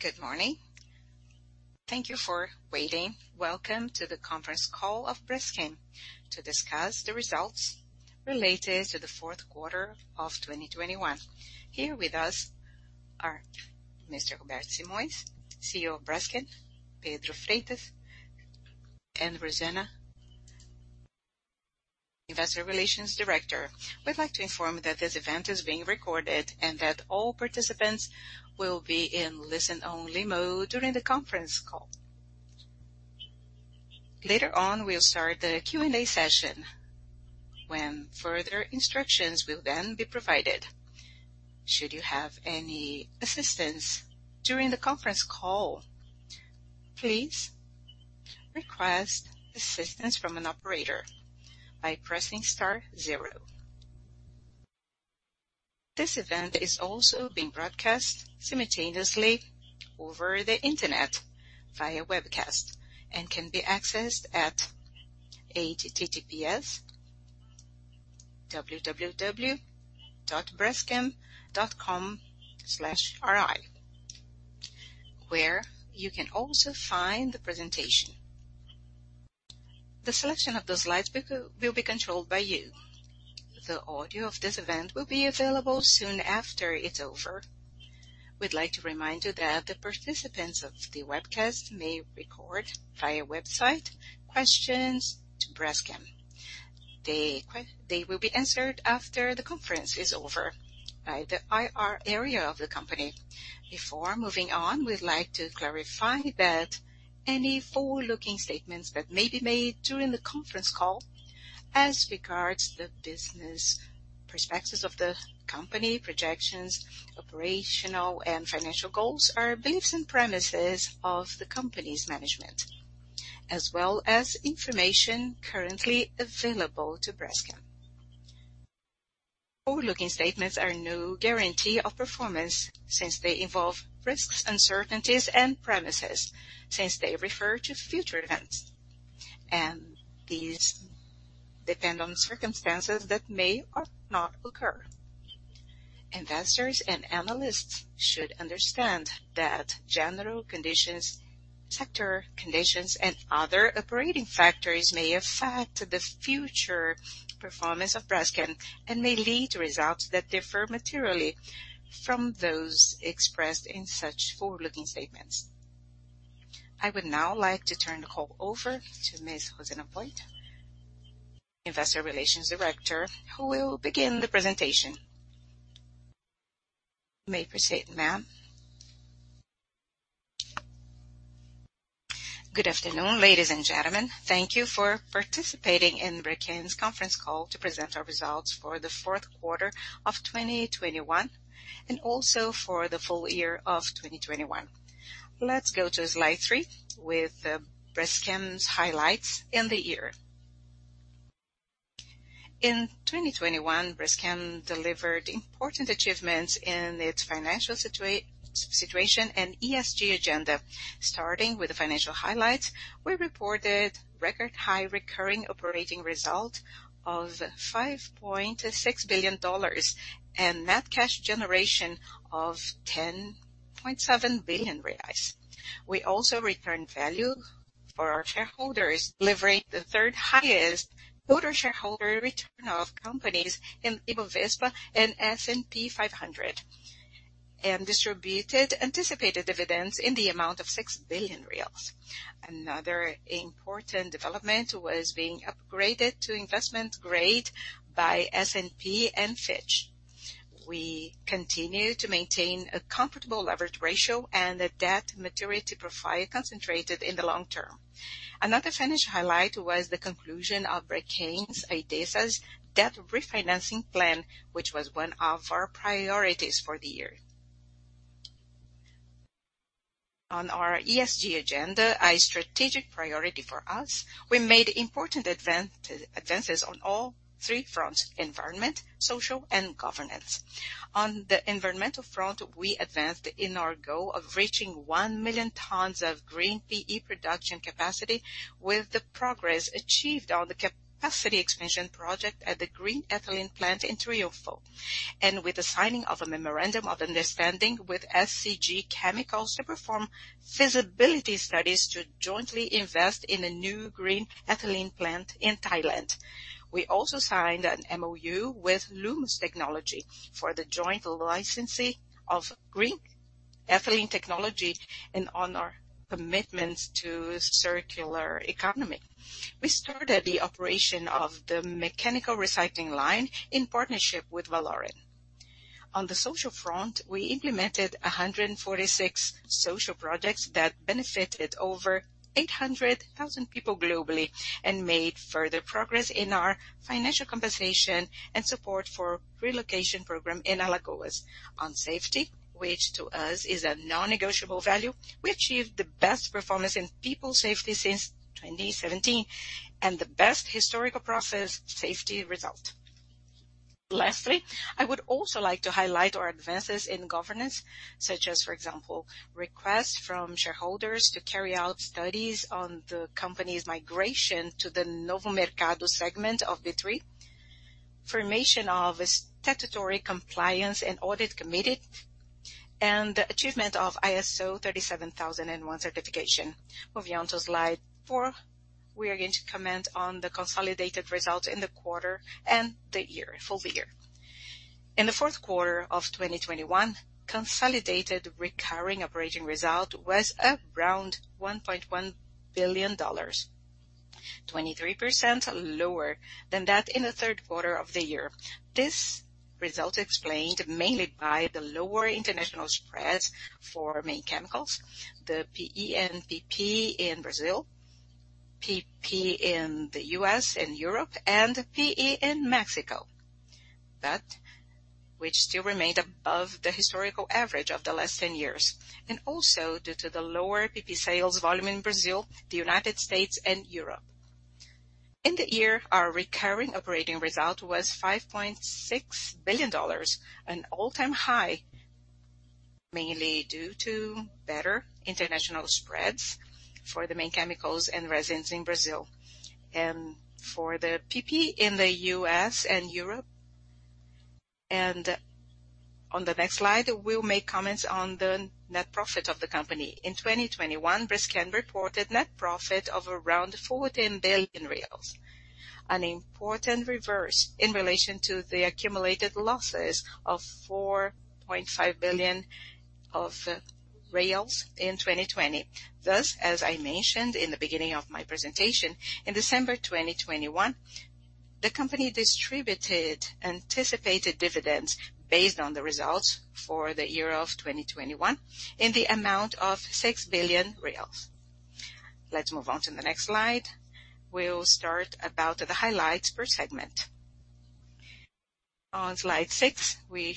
Good morning. Thank you for waiting. Welcome to the conference call of Braskem to discuss the results related to the fourth quarter of 2021. Here with us are Mr. Roberto Simões, CEO of Braskem, Pedro Freitas and Rosana, Investor Relations, Director. We'd like to inform you that this event is being recorded and that all participants will be in listen only mode during the conference call. Later on, we'll start the Q&A session when further instructions will then be provided. Should you have any assistance during the conference call, please request assistance from an operator by pressing star zero. This event is also being broadcast simultaneously over the Internet via webcast and can be accessed at https://www.braskem.com/ri, where you can also find the presentation. The selection of those slides will be controlled by you. The audio of this event will be available soon after it's over. We'd like to remind you that the participants of the webcast may submit questions to Braskem via the website. They will be answered after the conference is over by the IR area of the company. Before moving on, we'd like to clarify that any forward-looking statements that may be made during the conference call as regards the business perspectives of the company, projections, operational and financial goals are beliefs and premises of the company's management, as well as information currently available to Braskem. Forward-looking statements are no guarantee of performance since they involve risks, uncertainties and premises, since they refer to future events, and these depend on circumstances that may or not occur. Investors and analysts should understand that general conditions, sector conditions and other operating factors may affect the future performance of Braskem and may lead to results that differ materially from those expressed in such forward-looking statements. I would now like to turn the call over to Ms. Rosana Avolio, Investor Relations Director, who will begin the presentation. You may proceed, ma'am. Good afternoon, ladies and gentlemen. Thank you for participating in Braskem's conference call to present our results for the fourth quarter of 2021 and also for the full year of 2021. Let's go to Slide 3 with Braskem's highlights in the year. In 2021, Braskem delivered important achievements in its financial situation and ESG agenda. Starting with the financial highlights, we reported record high recurring operating result of $5.6 billion and net cash generation of 10.7 billion reais. We also returned value for our shareholders, delivering the third-highest total shareholder return of companies in Ibovespa and S&P 500, and distributed anticipated dividends in the amount of 6 billion reais. Another important development was being upgraded to investment grade by S&P and Fitch. We continue to maintain a comfortable leverage ratio and a debt maturity profile concentrated in the long term. Another finished highlight was the conclusion of Braskem Idesa's debt refinancing plan, which was one of our priorities for the year. On our ESG agenda, a strategic priority for us, we made important advances on all three fronts, environment, social, and governance. On the environmental front, we advanced in our goal of reaching 1 million tons of green PE production capacity with the progress achieved on the capacity expansion project at the green ethylene plant in Triunfo, and with the signing of a memorandum of understanding with SCG Chemicals to perform feasibility studies to jointly invest in a new green ethylene plant in Thailand. We signed an MoU with Lummus Technology for the joint licensing of green ethylene technology and on our commitments to circular economy. We started the operation of the mechanical recycling line in partnership with Valoren. On the social front, we implemented 146 social projects that benefited over 800,000 people globally and made further progress in our financial compensation and support for relocation program in Alagoas. On safety, which to us is a non-negotiable value, we achieved the best performance in people safety since 2017 and the best historical process safety result. Lastly, I would also like to highlight our advances in governance, such as, for example, requests from shareholders to carry out studies on the company's migration to the Novo Mercado segment of B3. Formation of a statutory compliance and audit committee and achievement of ISO 37001 certification. Moving on to Slide 4. We are going to comment on the consolidated results in the quarter and the year, full year. In the fourth quarter of 2021, consolidated recurring operating result was around $1.1 billion, 23% lower than that in the third quarter of the year. This result explained mainly by the lower international spreads for main chemicals, the PE and PP in Brazil, PP in the U.S. and Europe, and PE in Mexico. That which still remained above the historical average of the last 10 years and also due to the lower PP sales volume in Brazil, the United States and Europe. In the year, our recurring operating result was $5.6 billion, an all-time high, mainly due to better international spreads for the main chemicals and resins in Brazil and for the PP in the U.S. and Europe. On the next slide, we'll make comments on the net profit of the company. In 2021, Braskem reported net profit of around 14 billion reais, an important reversal in relation to the accumulated losses of 4.5 billion in 2020. Thus, as I mentioned in the beginning of my presentation, in December 2021, the company distributed anticipated dividends based on the results for the year of 2021 in the amount of 6 billion reais. Let's move on to the next slide. We'll talk about the highlights per segment. On Slide 6, we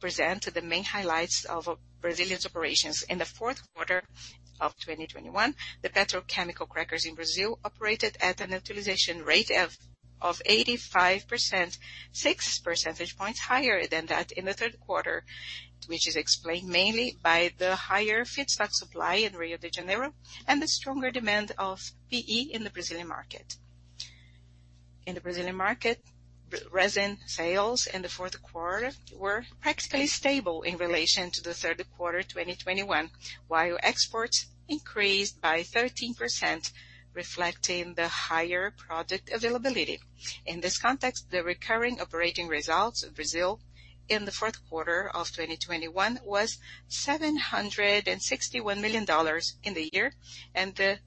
present the main highlights of Brazil's operations. In the fourth quarter of 2021, the petrochemical crackers in Brazil operated at an utilization rate of 85%, 6% points higher than that in the third quarter, which is explained mainly by the higher feedstock supply in Rio de Janeiro and the stronger demand of PE in the Brazilian market. In the Brazilian market, resin sales in the fourth quarter were practically stable in relation to the third quarter 2021, while exports increased by 13%, reflecting the higher product availability. In this context, the recurring operating results of Brazil in the fourth quarter of 2021 was $761 million in the year, and the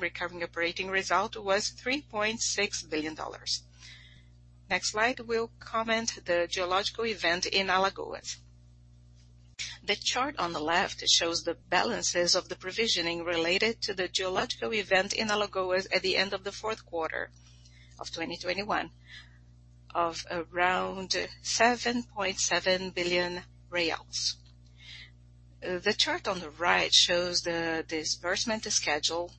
recurring operating result was $3.6 billion. Next slide will comment the geological event in Alagoas. The chart on the left shows the balances of the provisioning related to the geological event in Alagoas at the end of the fourth quarter of 2021 of around 7.7 billion reais. The chart on the right shows the disbursement schedule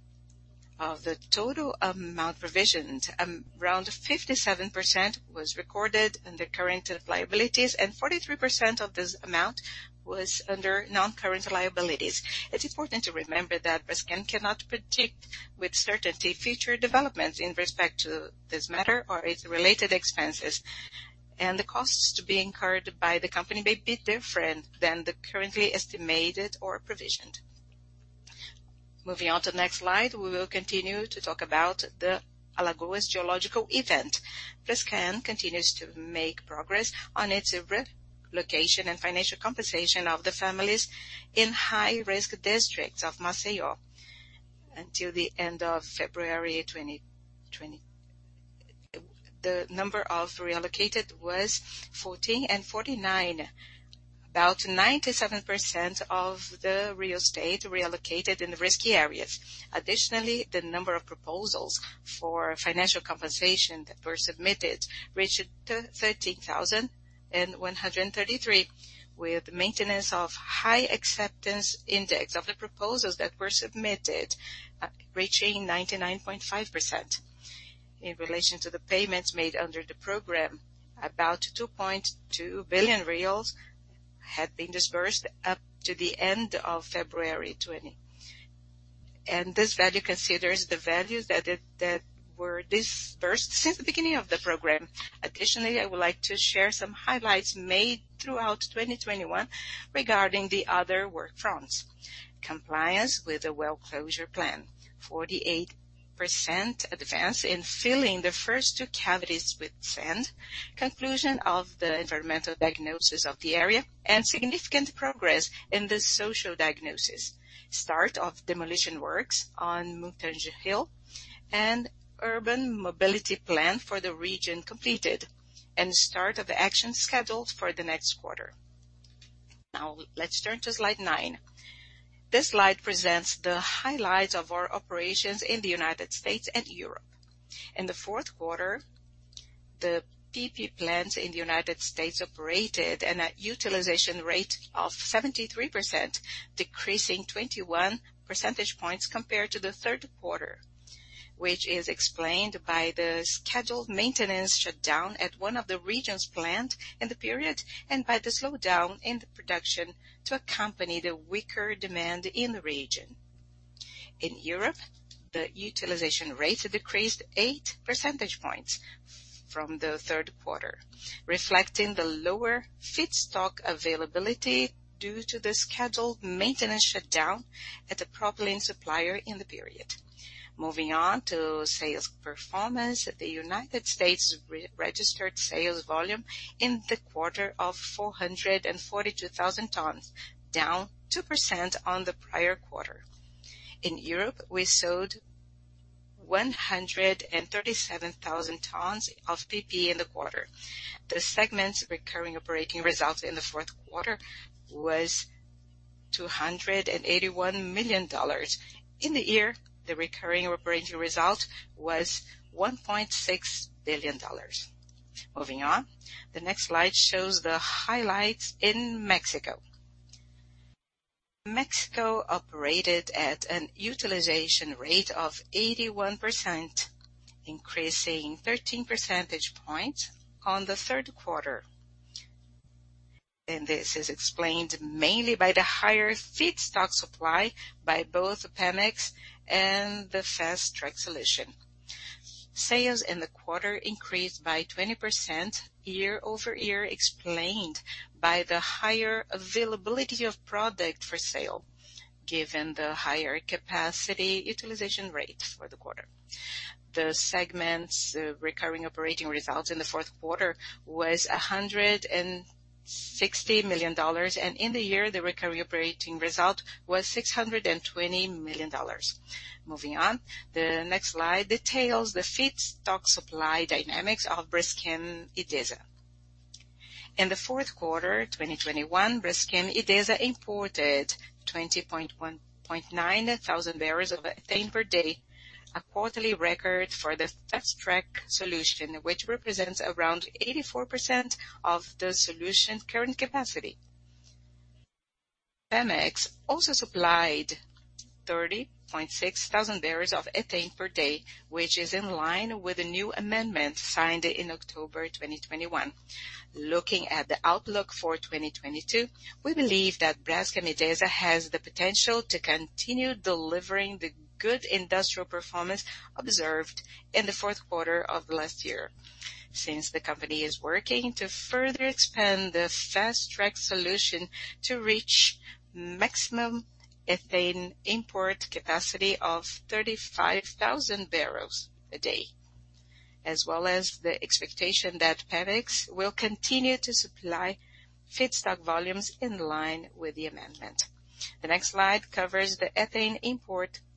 of the total amount provisioned. Around 57% was recorded in the current liabilities, and 43% of this amount was under non-current liabilities. It's important to remember that Braskem cannot predict with certainty future developments in respect to this matter or its related expenses, and the costs to be incurred by the company may be different than the currently estimated or provisioned. Moving on to the next slide, we will continue to talk about the Alagoas geological event. Braskem continues to make progress on its relocation and financial compensation of the families in high-risk districts of Maceió. Until the end of February 2020, the number of relocated was 1,449, about 97% of the real estate relocated in the risky areas. Additionally, the number of proposals for financial compensation that were submitted reached 13,133, with maintenance of high acceptance index of the proposals that were submitted, reaching 99.5%. In relation to the payments made under the program, about 2.2 billion reais have been disbursed up to the end of February 2020. This value considers the values that were disbursed since the beginning of the program. Additionally, I would like to share some highlights made throughout 2021 regarding the other work fronts. Compliance with the well closure plan. 48% advance in filling the first two cavities with sand. Conclusion of the environmental diagnosis of the area, and significant progress in the social diagnosis. Start of demolition works on Mutange Hill, and Urban Mobility Plan for the region completed, and start of action scheduled for the next quarter. Now let's turn to Slide 9. This slide presents the highlights of our operations in the United States and Europe. In the fourth quarter, the PP plants in the United States operated at a utilization rate of 73%, decreasing 21% points compared to the third quarter, which is explained by the scheduled maintenance shutdown at one of the region's plant in the period and by the slowdown in the production to accompany the weaker demand in the region. In Europe, the utilization rate decreased 8% points from the third quarter, reflecting the lower feedstock availability due to the scheduled maintenance shutdown at the propylene supplier in the period. Moving on to sales performance. In the U.S., registered sales volume in the quarter of 442,000 tons, down 2% on the prior quarter. In Europe, we sold 137,000 tons of PP in the quarter. The segment's recurring operating results in the fourth quarter was $281 million. In the year, the recurring operating result was $1.6 billion. Moving on. The next slide shows the highlights in Mexico. Mexico operated at a utilization rate of 81%, increasing 13% points on the third quarter. This is explained mainly by the higher feedstock supply by both Pemex and the Fast Track solution. Sales in the quarter increased by 20% year-over-year, explained by the higher availability of product for sale given the higher capacity utilization rate for the quarter. The segment's recurring operating results in the fourth quarter was $160 million, and in the year, the recurring operating result was $620 million. Moving on. The next slide details the feedstock supply dynamics of Braskem Idesa. In the fourth quarter, 2021, Braskem Idesa imported 20.9 thousand barrels of ethane per day, a quarterly record for the Fast Track solution, which represents around 84% of the solution's current capacity. Pemex also supplied 30.6 thousand barrels of ethane per day, which is in line with the new amendment signed in October 2021. Looking at the outlook for 2022, we believe that Braskem Idesa has the potential to continue delivering the good industrial performance observed in the fourth quarter of last year. Since the company is working to further expand the Fast Track solution to reach maximum ethane import capacity of 35,000 barrels a day, as well as the expectation that Pemex will continue to supply feedstock volumes in line with the amendment. The next slide covers the ethane import terminal.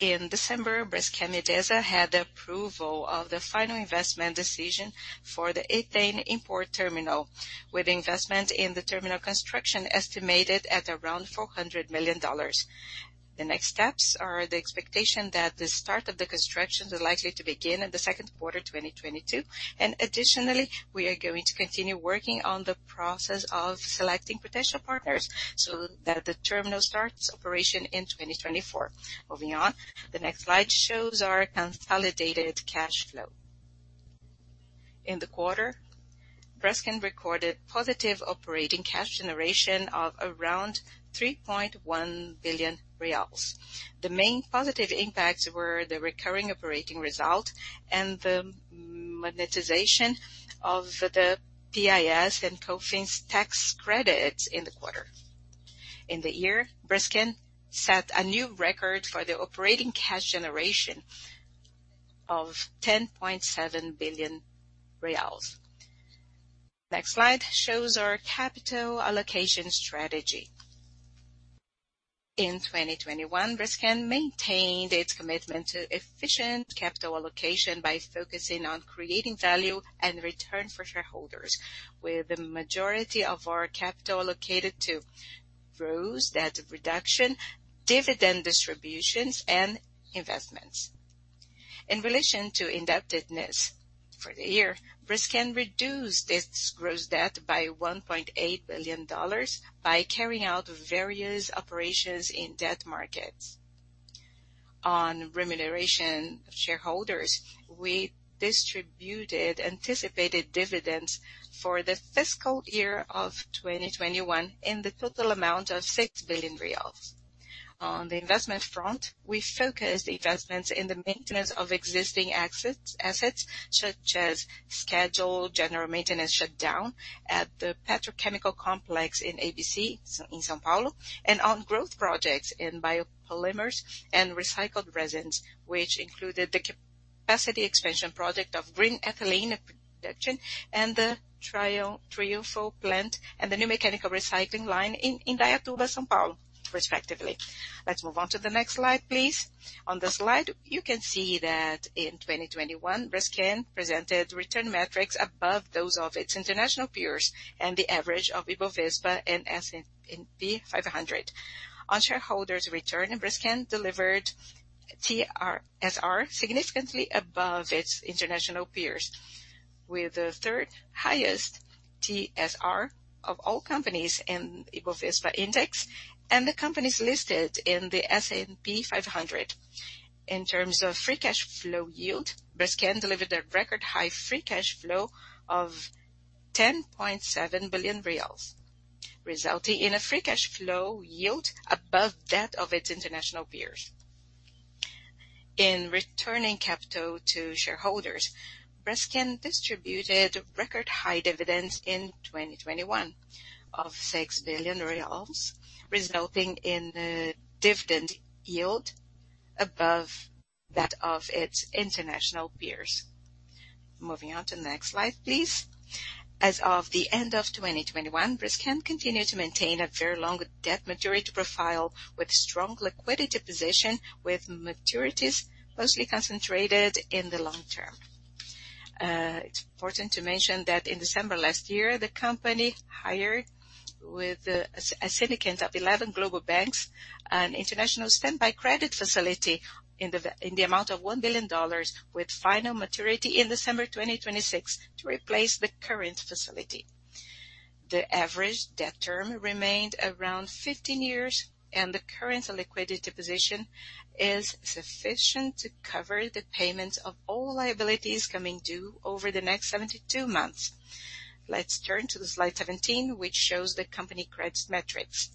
In December, Braskem Idesa had the approval of the final investment decision for the ethane import terminal, with investment in the terminal construction estimated at around $400 million. The next steps are the expectation that the start of the construction is likely to begin in the second quarter 2022. Additionally, we are going to continue working on the process of selecting potential partners so that the terminal starts operation in 2024. Moving on. The next slide shows our consolidated cash flow. In the quarter, Braskem recorded positive operating cash generation of around 3.1 billion reais. The main positive impacts were the recurring operating result and the monetization of the PIS and COFINS tax credits in the quarter. In the year, Braskem set a new record for the operating cash generation of 10.7 billion reais. Next slide shows our capital allocation strategy. In 2021, Braskem maintained its commitment to efficient capital allocation by focusing on creating value and return for shareholders, with the majority of our capital allocated to growth, debt reduction, dividend distributions and investments. In relation to indebtedness for the year, Braskem reduced its gross debt by $1.8 billion by carrying out various operations in debt markets. On remuneration of shareholders, we distributed anticipated dividends for the fiscal year of 2021 in the total amount of 6 billion reais. On the investment front, we focused investments in the maintenance of existing assets such as scheduled general maintenance shutdown at the petrochemical complex in ABC, in São Paulo, and on growth projects in biopolymers and recycled resins, which included the capacity expansion project of green ethylene production and the Triunfo plant and the new mechanical recycling line in Indaiatuba, São Paulo, respectively. Let's move on to the next slide, please. On the slide, you can see that in 2021, Braskem presented return metrics above those of its international peers and the average of Bovespa and S&P 500. On shareholders' return, Braskem delivered TSR significantly above its international peers, with the third-highest TSR of all companies in Bovespa index and the companies listed in the S&P 500. In terms of free cash flow yield, Braskem delivered a record high free cash flow of 10.7 billion reais, resulting in a free cash flow yield above that of its international peers. In returning capital to shareholders, Braskem distributed record high dividends in 2021 of 6 billion reais, resulting in the dividend yield above that of its international peers. Moving on to the next slide, please. As of the end of 2021, Braskem continued to maintain a very long debt maturity profile with strong liquidity position, with maturities mostly concentrated in the long term. It's important to mention that in December last year, the company entered into with a syndicate of 11 global banks an international standby credit facility in the amount of $1 billion with final maturity in December 2026 to replace the current facility. The average debt term remained around 15 years, and the current liquidity position is sufficient to cover the payments of all liabilities coming due over the next 72 months. Let's turn to Slide 17, which shows the company credit metrics.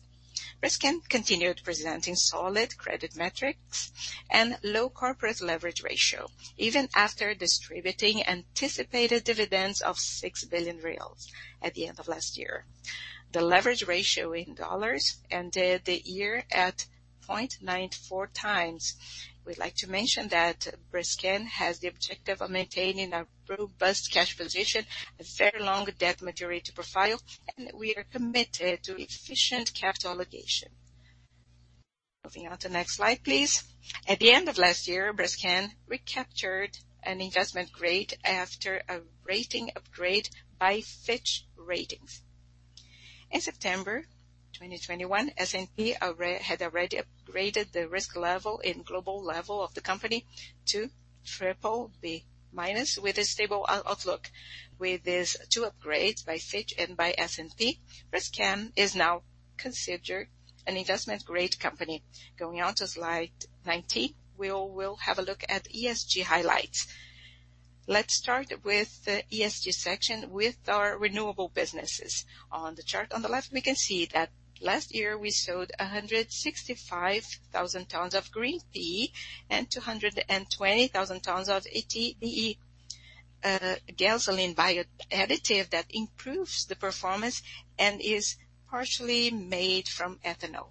Braskem continued presenting solid credit metrics and low corporate leverage ratio, even after distributing anticipated dividends of 6 billion reais at the end of last year. The leverage ratio in dollars ended the year at 0.94x. We'd like to mention that Braskem has the objective of maintaining a robust cash position, a very long debt maturity profile, and we are committed to efficient capital allocation. Moving on to the next slide, please. At the end of last year, Braskem recaptured an investment grade after a rating upgrade by Fitch Ratings. In September 2021, S&P had already upgraded the risk level in global level of the company to BBB- with a stable outlook. With these two upgrades by Fitch and by S&P, Braskem is now considered an investment grade company. Going on to Slide 19, we will have a look at ESG highlights. Let's start with the ESG section with our renewable businesses. On the chart on the left, we can see that last year we sold 165,000 tons of Green PE and 220,000 tons of ETBE, gasoline bio additive that improves the performance and is partially made from ethanol.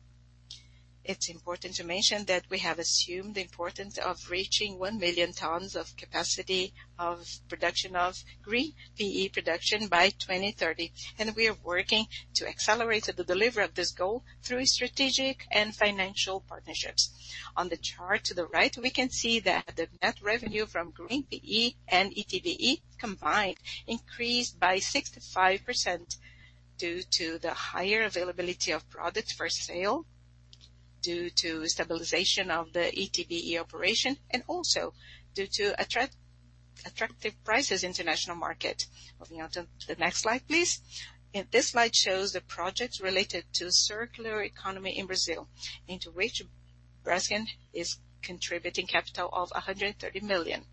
It's important to mention that we have assumed the importance of reaching 1 million tons of capacity of production of Green PE production by 2030, and we are working to accelerate the delivery of this goal through strategic and financial partnerships. On the chart to the right, we can see that the net revenue from Green PE and ETBE combined increased by 65% due to the higher availability of products for sale, due to stabilization of the ETBE operation, and also due to attractive prices international market. Moving on to the next slide, please. This slide shows the projects related to circular economy in Brazil, into which Braskem is contributing capital of 130 million.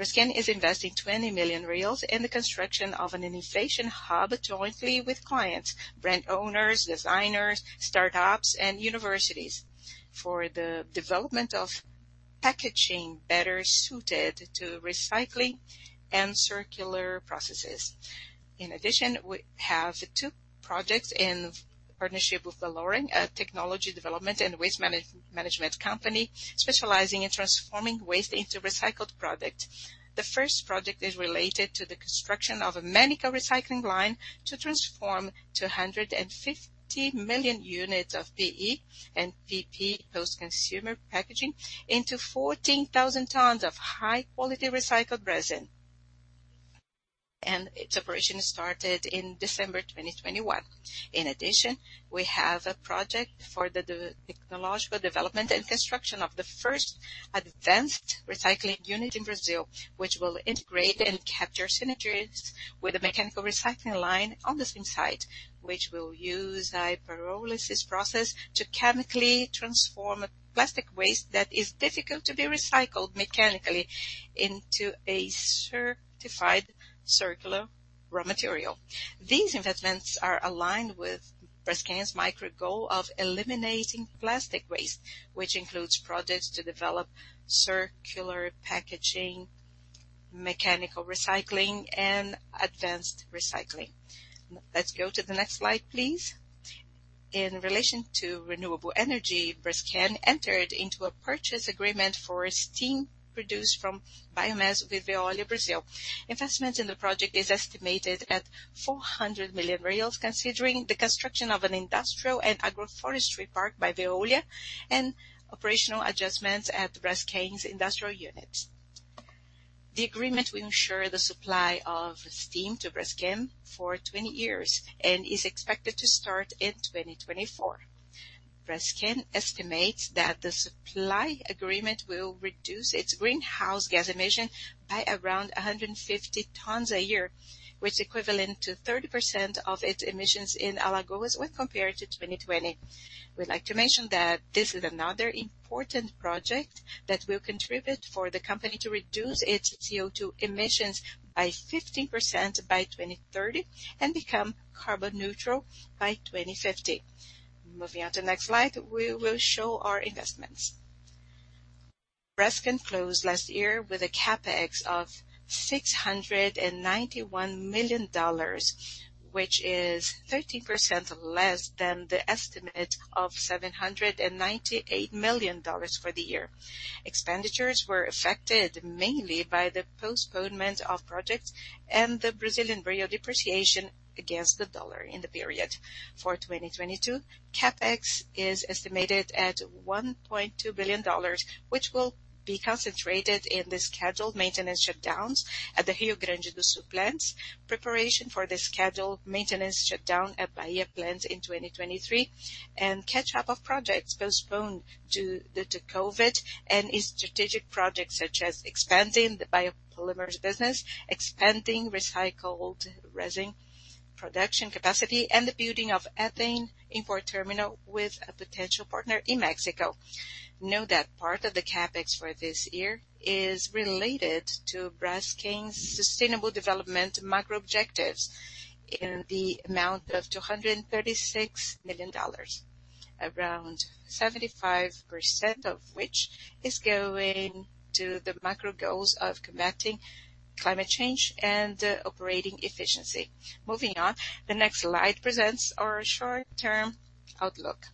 Braskem is investing 20 million reais in the construction of an innovation hub jointly with clients, brand owners, designers, startups, and universities for the development of packaging better suited to recycling and circular processes. In addition, we have two projects in partnership with Valoren, a technology development and waste management company specializing in transforming waste into recycled product. The first project is related to the construction of a medical recycling line to transform 250 million units of PE and PP post-consumer packaging into 14,000 tons of high-quality recycled resin, and its operation started in December 2021. In addition, we have a project for the technological development and construction of the first advanced recycling unit in Brazil, which will integrate and capture synergies with the mechanical recycling line on the same site, which will use a pyrolysis process to chemically transform plastic waste that is difficult to be recycled mechanically into a certified circular raw material. These investments are aligned with Braskem's micro goal of eliminating plastic waste, which includes projects to develop circular packaging, mechanical recycling, and advanced recycling. Let's go to the next slide, please. In relation to renewable energy, Braskem entered into a purchase agreement for steam produced from biomass with Veolia Brazil. Investment in the project is estimated at 400 million reais, considering the construction of an industrial and agroforestry park by Veolia and operational adjustments at Braskem's industrial unit. The agreement will ensure the supply of steam to Braskem for 20 years and is expected to start in 2024. Braskem estimates that the supply agreement will reduce its greenhouse gas emission by around 150 tons a year, which is equivalent to 30% of its emissions in Alagoas when compared to 2020. We'd like to mention that this is another important project that will contribute for the company to reduce its CO₂ emissions by 50% by 2030 and become carbon neutral by 2050. Moving on to the next slide, we will show our investments. Braskem closed last year with a CapEx of $691 million, which is 13% less than the estimate of $798 million for the year. Expenditures were affected mainly by the postponement of projects and the Brazilian real depreciation against the dollar in the period. For 2022, CapEx is estimated at $1.2 billion, which will be concentrated in the scheduled maintenance shutdowns at the Rio Grande do Sul plants, preparation for the scheduled maintenance shutdown at Bahia plant in 2023, and catch-up of projects postponed due to COVID, and in strategic projects such as expanding the biopolymers business, expanding recycled resin production capacity, and the building of ethane import terminal with a potential partner in Mexico. Note that part of the CapEx for this year is related to Braskem's sustainable development macro objectives in the amount of $236 million, around 75% of which is going to the macro goals of combating climate change and operating efficiency. Moving on, the next slide presents our short-term outlook.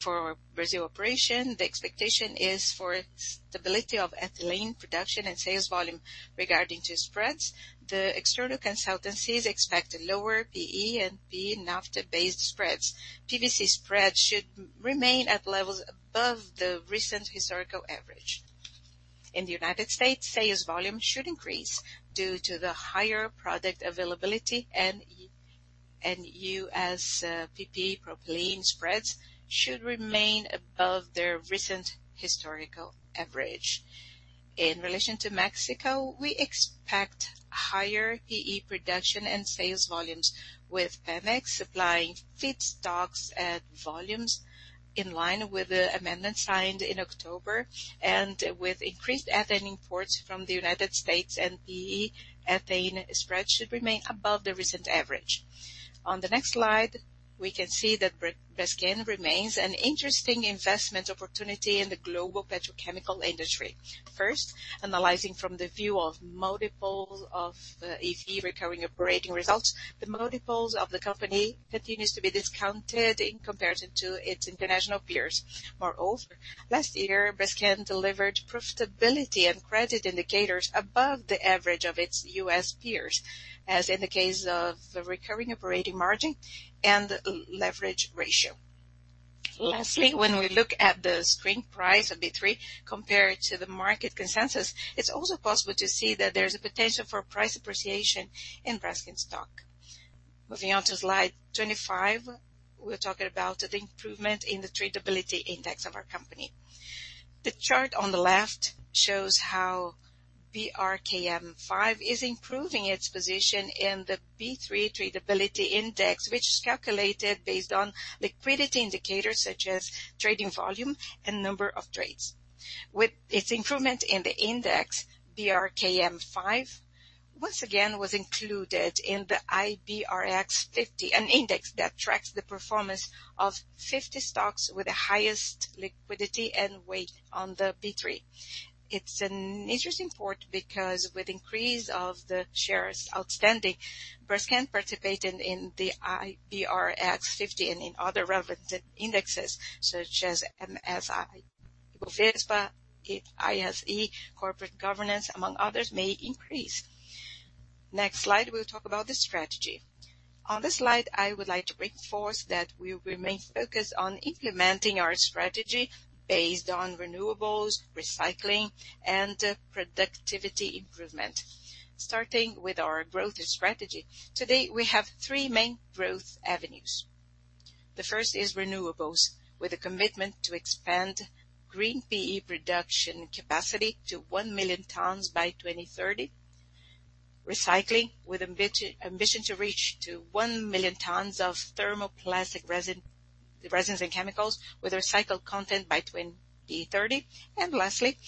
For Brazil operation, the expectation is for stability of ethylene production and sales volume regarding spreads. The external consultancies expect a lower PE and PE-naphtha-based spreads. PVC spreads should remain at levels above the recent historical average. In the United States, sales volume should increase due to the higher product availability and U.S. PP propylene spreads should remain above their recent historical average. In relation to Mexico, we expect higher PE production and sales volumes, with Pemex supplying feedstocks at volumes in line with the amendment signed in October, with increased ethane imports from the United States and PE ethane spreads should remain above the recent average. On the next slide, we can see that Braskem remains an interesting investment opportunity in the global petrochemical industry. First, analyzing from the view of multiples of EV recurring operating results, the multiples of the company continues to be discounted in comparison to its international peers. Moreover, last year, Braskem delivered profitability and credit indicators above the average of its U.S. peers, as in the case of the recurring operating margin and leverage ratio. Lastly, when we look at the share price on B3 compared to the market consensus, it's also possible to see that there's a potential for price appreciation in Braskem stock. Moving on to Slide 25, we're talking about the improvement in the tradability index of our company. The chart on the left shows how BRKM5 is improving its position in the B3 Tradability Index, which is calculated based on liquidity indicators such as trading volume and number of trades. With its improvement in the index, BRKM5 once again was included in the IBrX-50, an index that tracks the performance of 50 stocks with the highest liquidity and weight on the B3. It's an interesting point because with increase of the shares outstanding, Braskem participating in the IBrX-50 and in other relevant indexes such as MSCI, Ibovespa, ISE, Corporate Governance, among others, may increase. Next slide, we'll talk about the strategy. On this slide, I would like to reinforce that we remain focused on implementing our strategy based on renewables, recycling, and productivity improvement. Starting with our growth strategy, today we have three main growth avenues. The first is renewables, with a commitment to expand green PE production capacity to 1 million tons by 2030. Recycling, with ambition to reach 1 million tons of thermoplastic resins and chemicals with recycled content by 2030. Lastly,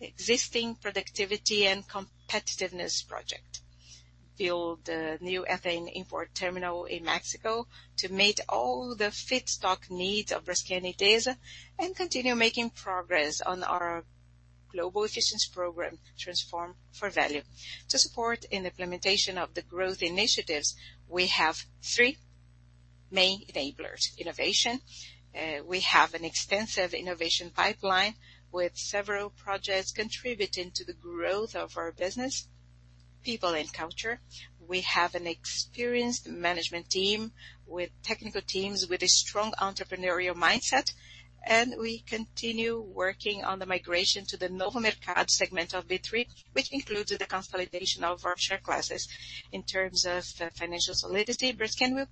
existing productivity and competitiveness project. Build a new ethane import terminal in Mexico to meet all the feedstock needs of Braskem Idesa, and continue making progress on our global efficiency program, Transform for Value. To support in the implementation of the growth initiatives, we have three main enablers. Innovation. We have an extensive innovation pipeline with several projects contributing to the growth of our business. People and culture. We have an experienced management team with technical teams with a strong entrepreneurial mindset, and we continue working on the migration to the Novo Mercado segment of B3, which includes the consolidation of our share classes. In terms of the financial solidity, Braskem will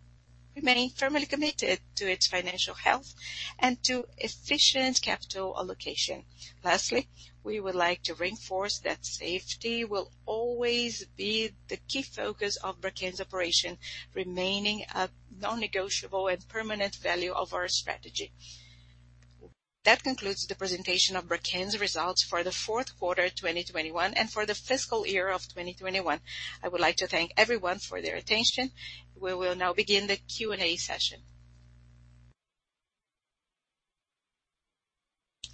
remain firmly committed to its financial health and to efficient capital allocation. Lastly, we would like to reinforce that safety will always be the key focus of Braskem's operation, remaining a non-negotiable and permanent value of our strategy. That concludes the presentation of Braskem's results for the fourth quarter 2021 and for the fiscal year of 2021. I would like to thank everyone for their attention. We will now begin the Q&A session.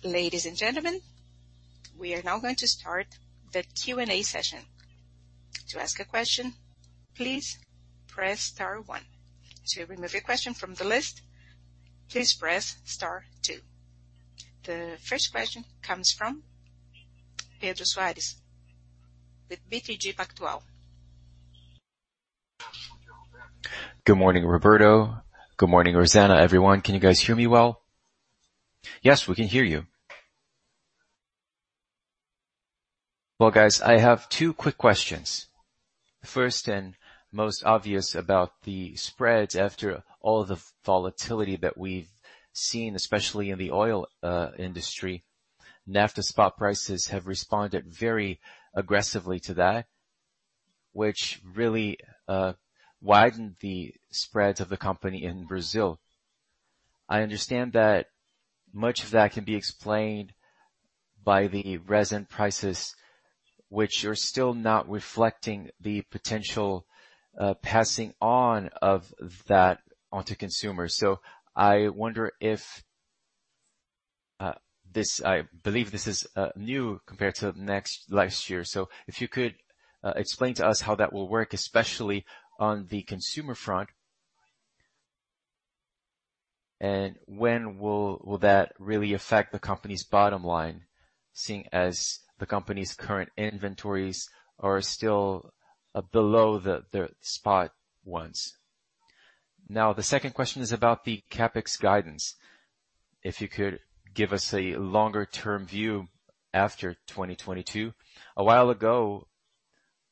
Ladies and gentlemen, we are now going to start the Q&A session. To ask a question, please press star one. To remove your question from the list, please press star two. The first question comes from Pedro Soares with BTG Pactual. Good morning, Roberto. Good morning, Rosana, everyone. Can you guys hear me well? Yes, we can hear you. Well, guys, I have two quick questions. First, most obvious about the spreads after all the volatility that we've seen, especially in the oil industry, Naphtha spot prices have responded very aggressively to that, which really widened the spreads of the company in Brazil. I understand that much of that can be explained by the resin prices, which are still not reflecting the potential passing on of that onto consumers. I wonder if this—I believe this is new compared to last year. If you could explain to us how that will work, especially on the consumer front. When will that really affect the company's bottom line, seeing as the company's current inventories are still below the spot ones? Now, the second question is about the CapEx guidance. If you could give us a longer-term view after 2022. A while ago,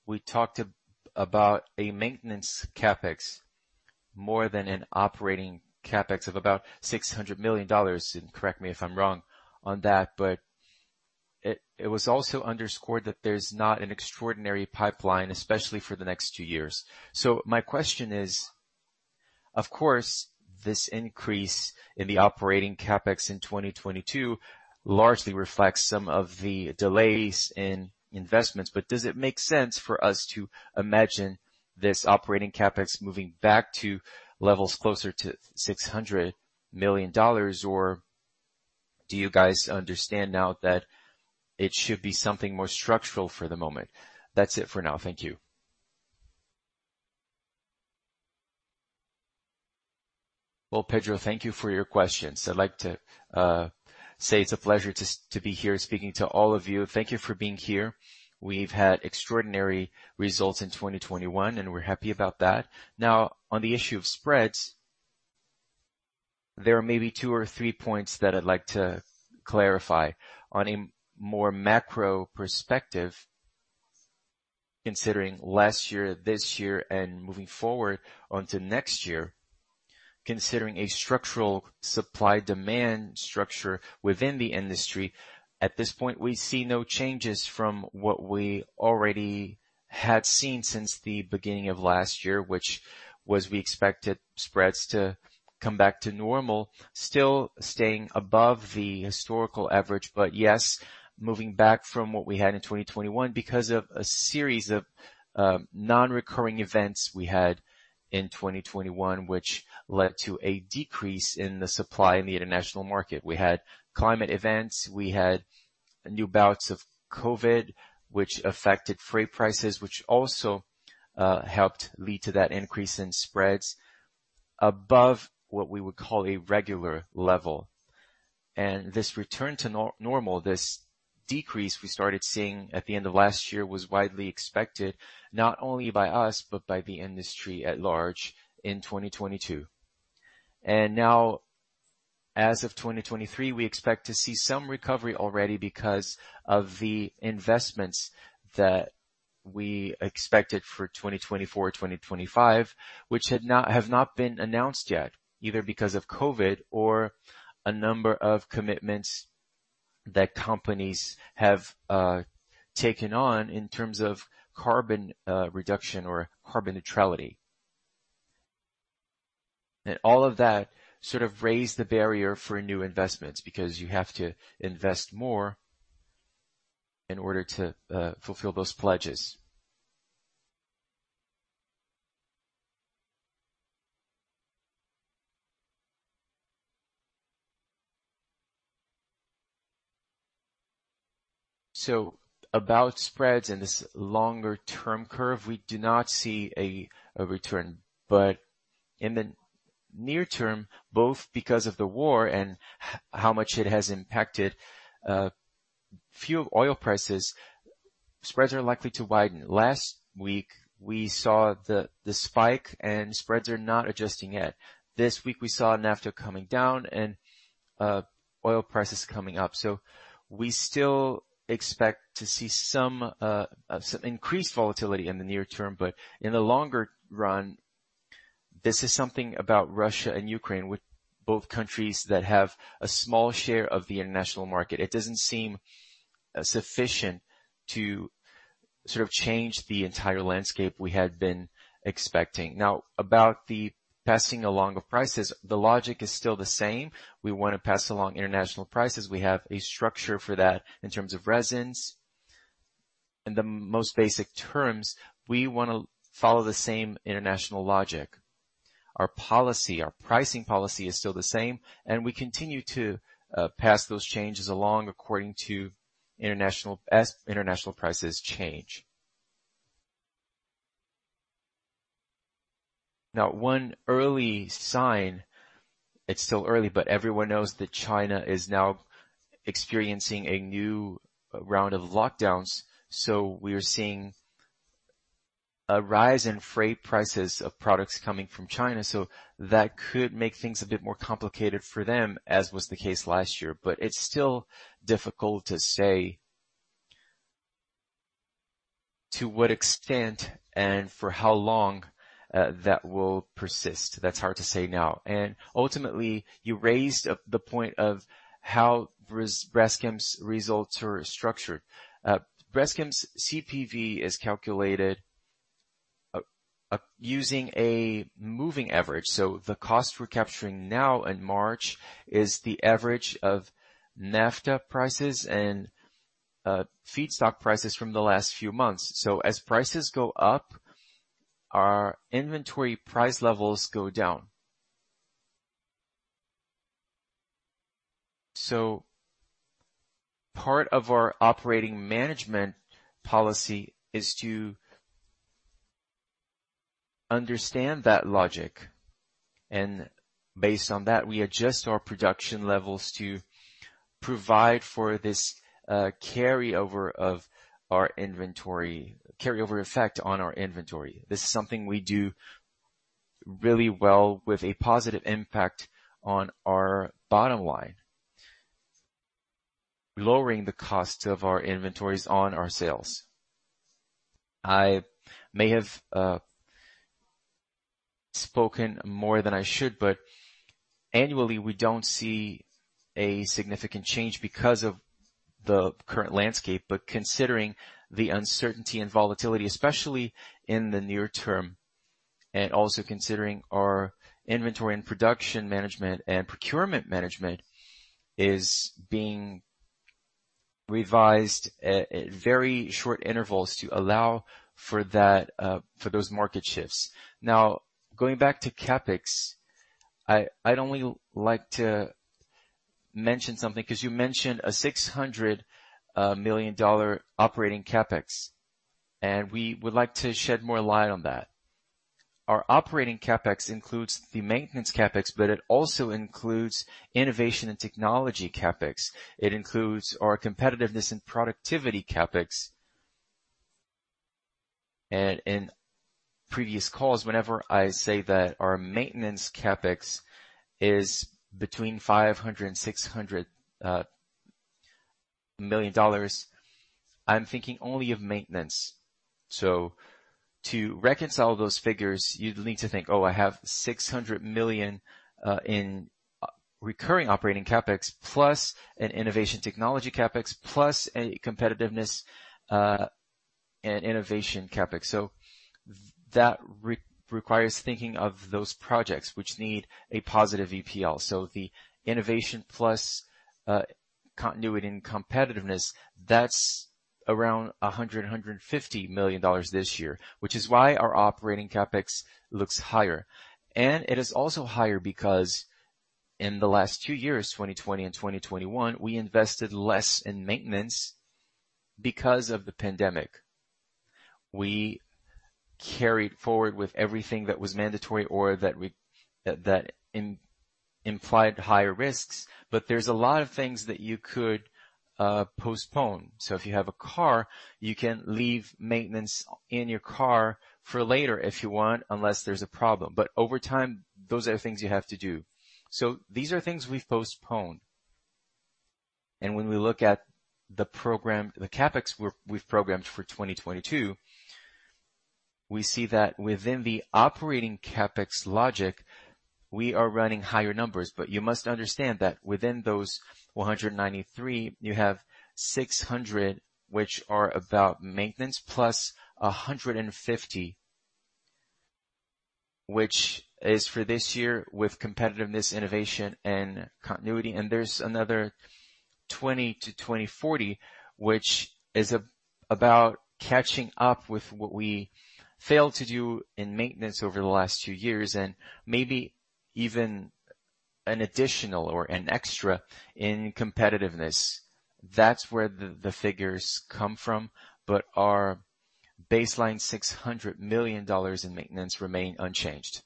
we talked about a maintenance CapEx more than an operating CapEx of about $600 million, and correct me if I'm wrong on that. It was also underscored that there's not an extraordinary pipeline, especially for the next two years. My question is, of course, this increase in the operating CapEx in 2022 largely reflects some of the delays in investments, but does it make sense for us to imagine this operating CapEx moving back to levels closer to $600 million? Or do you guys understand now that it should be something more structural for the moment? That's it for now. Thank you. Well, Pedro, thank you for your questions. I'd like to say it's a pleasure to be here speaking to all of you. Thank you for being here. We've had extraordinary results in 2021, and we're happy about that. Now, on the issue of spreads, there are maybe two or three points that I'd like to clarify. On a more macro perspective, considering last year, this year, and moving forward onto next year, considering a structural supply-demand structure within the industry, at this point, we see no changes from what we already had seen since the beginning of last year, which was we expected spreads to come back to normal, still staying above the historical average. Yes, moving back from what we had in 2021 because of a series of non-recurring events we had in 2021, which led to a decrease in the supply in the international market. We had climate events, we had new bouts of COVID, which affected freight prices, which also helped lead to that increase in spreads above what we would call a regular level. This return to normal, this decrease we started seeing at the end of last year, was widely expected, not only by us, but by the industry at large in 2022. Now, as of 2023, we expect to see some recovery already because of the investments that we expected for 2024-2025, which have not been announced yet, either because of COVID or a number of commitments that companies have taken on in terms of carbon reduction or carbon neutrality. All of that sort of raised the barrier for new investments because you have to invest more in order to fulfill those pledges. About spreads and this longer-term curve, we do not see a return. In the near term, both because of the war and how much it has impacted fuel oil prices, spreads are likely to widen. Last week, we saw the spike and spreads are not adjusting yet. This week we saw naphtha coming down and oil prices coming up. We still expect to see some increased volatility in the near term, but in the longer run, this is something about Russia and Ukraine with both countries that have a small share of the international market. It doesn't seem sufficient to sort of change the entire landscape we had been expecting. Now, about the passing along of prices, the logic is still the same. We wanna pass along international prices. We have a structure for that in terms of resins. In the most basic terms, we wanna follow the same international logic. Our policy, our pricing policy is still the same, and we continue to pass those changes along according to international prices. As international prices change. Now, one early sign, it's still early, but everyone knows that China is now experiencing a new round of lockdowns, so we are seeing a rise in freight prices of products coming from China. So that could make things a bit more complicated for them, as was the case last year. But it's still difficult to say to what extent and for how long that will persist. That's hard to say now. Ultimately, you raised the point of how Braskem's results are structured. Braskem's COGS is calculated using a moving average. The cost we're capturing now in March is the average of naphtha prices and feedstock prices from the last few months. As prices go up, our inventory price levels go down. Part of our operating management policy is to understand that logic, and based on that, we adjust our production levels to provide for this carryover of our inventory, carryover effect on our inventory. This is something we do really well with a positive impact on our bottom line, lowering the cost of our inventories on our sales. I may have spoken more than I should, but annually we don't see a significant change because of the current landscape. Considering the uncertainty and volatility, especially in the near term, and also considering our inventory and production management and procurement management is being revised at very short intervals to allow for that, for those market shifts. Now, going back to CapEx, I'd only like to mention something, 'cause you mentioned a $600 million operating CapEx, and we would like to shed more light on that. Our operating CapEx includes the maintenance CapEx, but it also includes innovation and technology CapEx. It includes our competitiveness in productivity CapEx. In previous calls, whenever I say that our maintenance CapEx is between $500 million and $600 million, I'm thinking only of maintenance. To reconcile those figures, you'd need to think, "Oh, I have $600 million in recurring operating CapEx plus an innovation technology CapEx, plus a competitiveness and innovation CapEx." That requires thinking of those projects which need a positive NPV. The innovation plus continuity and competitiveness, that's around $150 million this year, which is why our operating CapEx looks higher. It is also higher because in the last two years, 2020 and 2021, we invested less in maintenance because of the pandemic. We carried forward with everything that was mandatory or that implied higher risks. There's a lot of things that you could postpone. If you have a car, you can leave maintenance in your car for later if you want, unless there's a problem. Over time, those are things you have to do. These are things we've postponed. When we look at the program, the CapEx we've programmed for 2022, we see that within the operating CapEx logic, we are running higher numbers. You must understand that within those $193 million, you have $600 million, which are about maintenance plus $150 million, which is for this year with competitiveness, innovation, and continuity. There's another $20 million-$30 million, which is about catching up with what we failed to do in maintenance over the last two years, and maybe even an additional or an extra in competitiveness. That's where the figures come from. Our baseline $600 million in maintenance remain unchanged.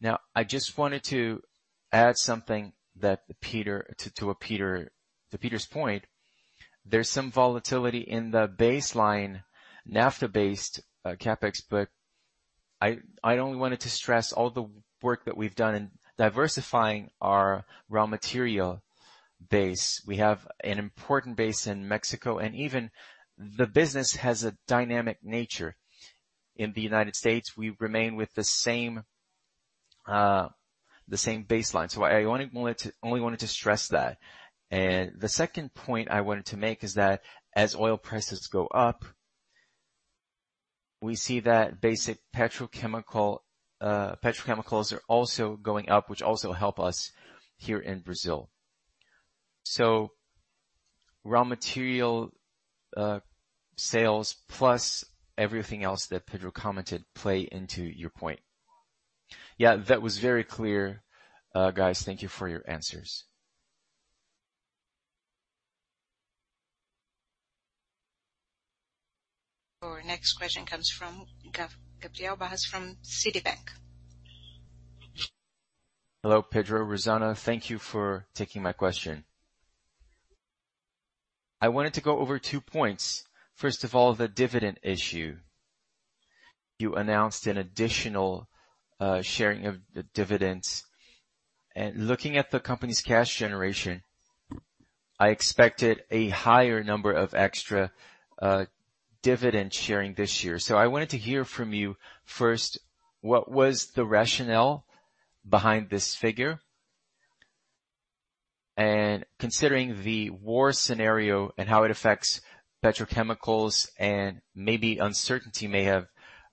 Now, I just wanted to add something to Peter's point. There's some volatility in the baseline naphtha-based CapEx, but I only wanted to stress all the work that we've done in diversifying our raw material base. We have an important base in Mexico, and even the business has a dynamic nature. In the United States, we remain with the same baseline. I only wanted to stress that. The second point I wanted to make is that as oil prices go up, we see that basic petrochemicals are also going up, which also help us here in Brazil. Raw material sales plus everything else that Pedro commented play into your point. Yeah, that was very clear. Guys, thank you for your answers. Our next question comes from Gabriel Barra from Citi. Hello, Pedro, Rosana. Thank you for taking my question. I wanted to go over two points. First of all, the dividend issue. You announced an additional sharing of the dividends. Looking at the company's cash generation, I expected a higher number of extra dividend sharing this year. I wanted to hear from you, first, what was the rationale behind this figure. Considering the war scenario and how it affects petrochemicals and maybe uncertainty may have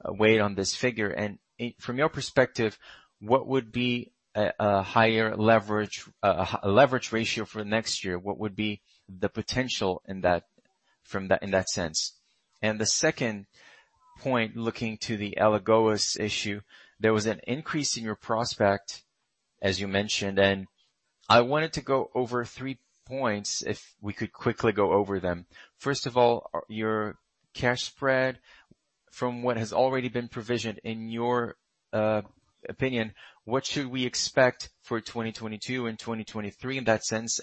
weighed on this figure. From your perspective, what would be a higher leverage ratio for next year. What would be the potential in that in that sense. The second point, looking to the Alagoas issue, there was an increase in your provisions, as you mentioned, and I wanted to go over three points if we could quickly go over them. First of all, your cash spread from what has already been provisioned. In your opinion, what should we expect for 2022 and 2023 in that sense?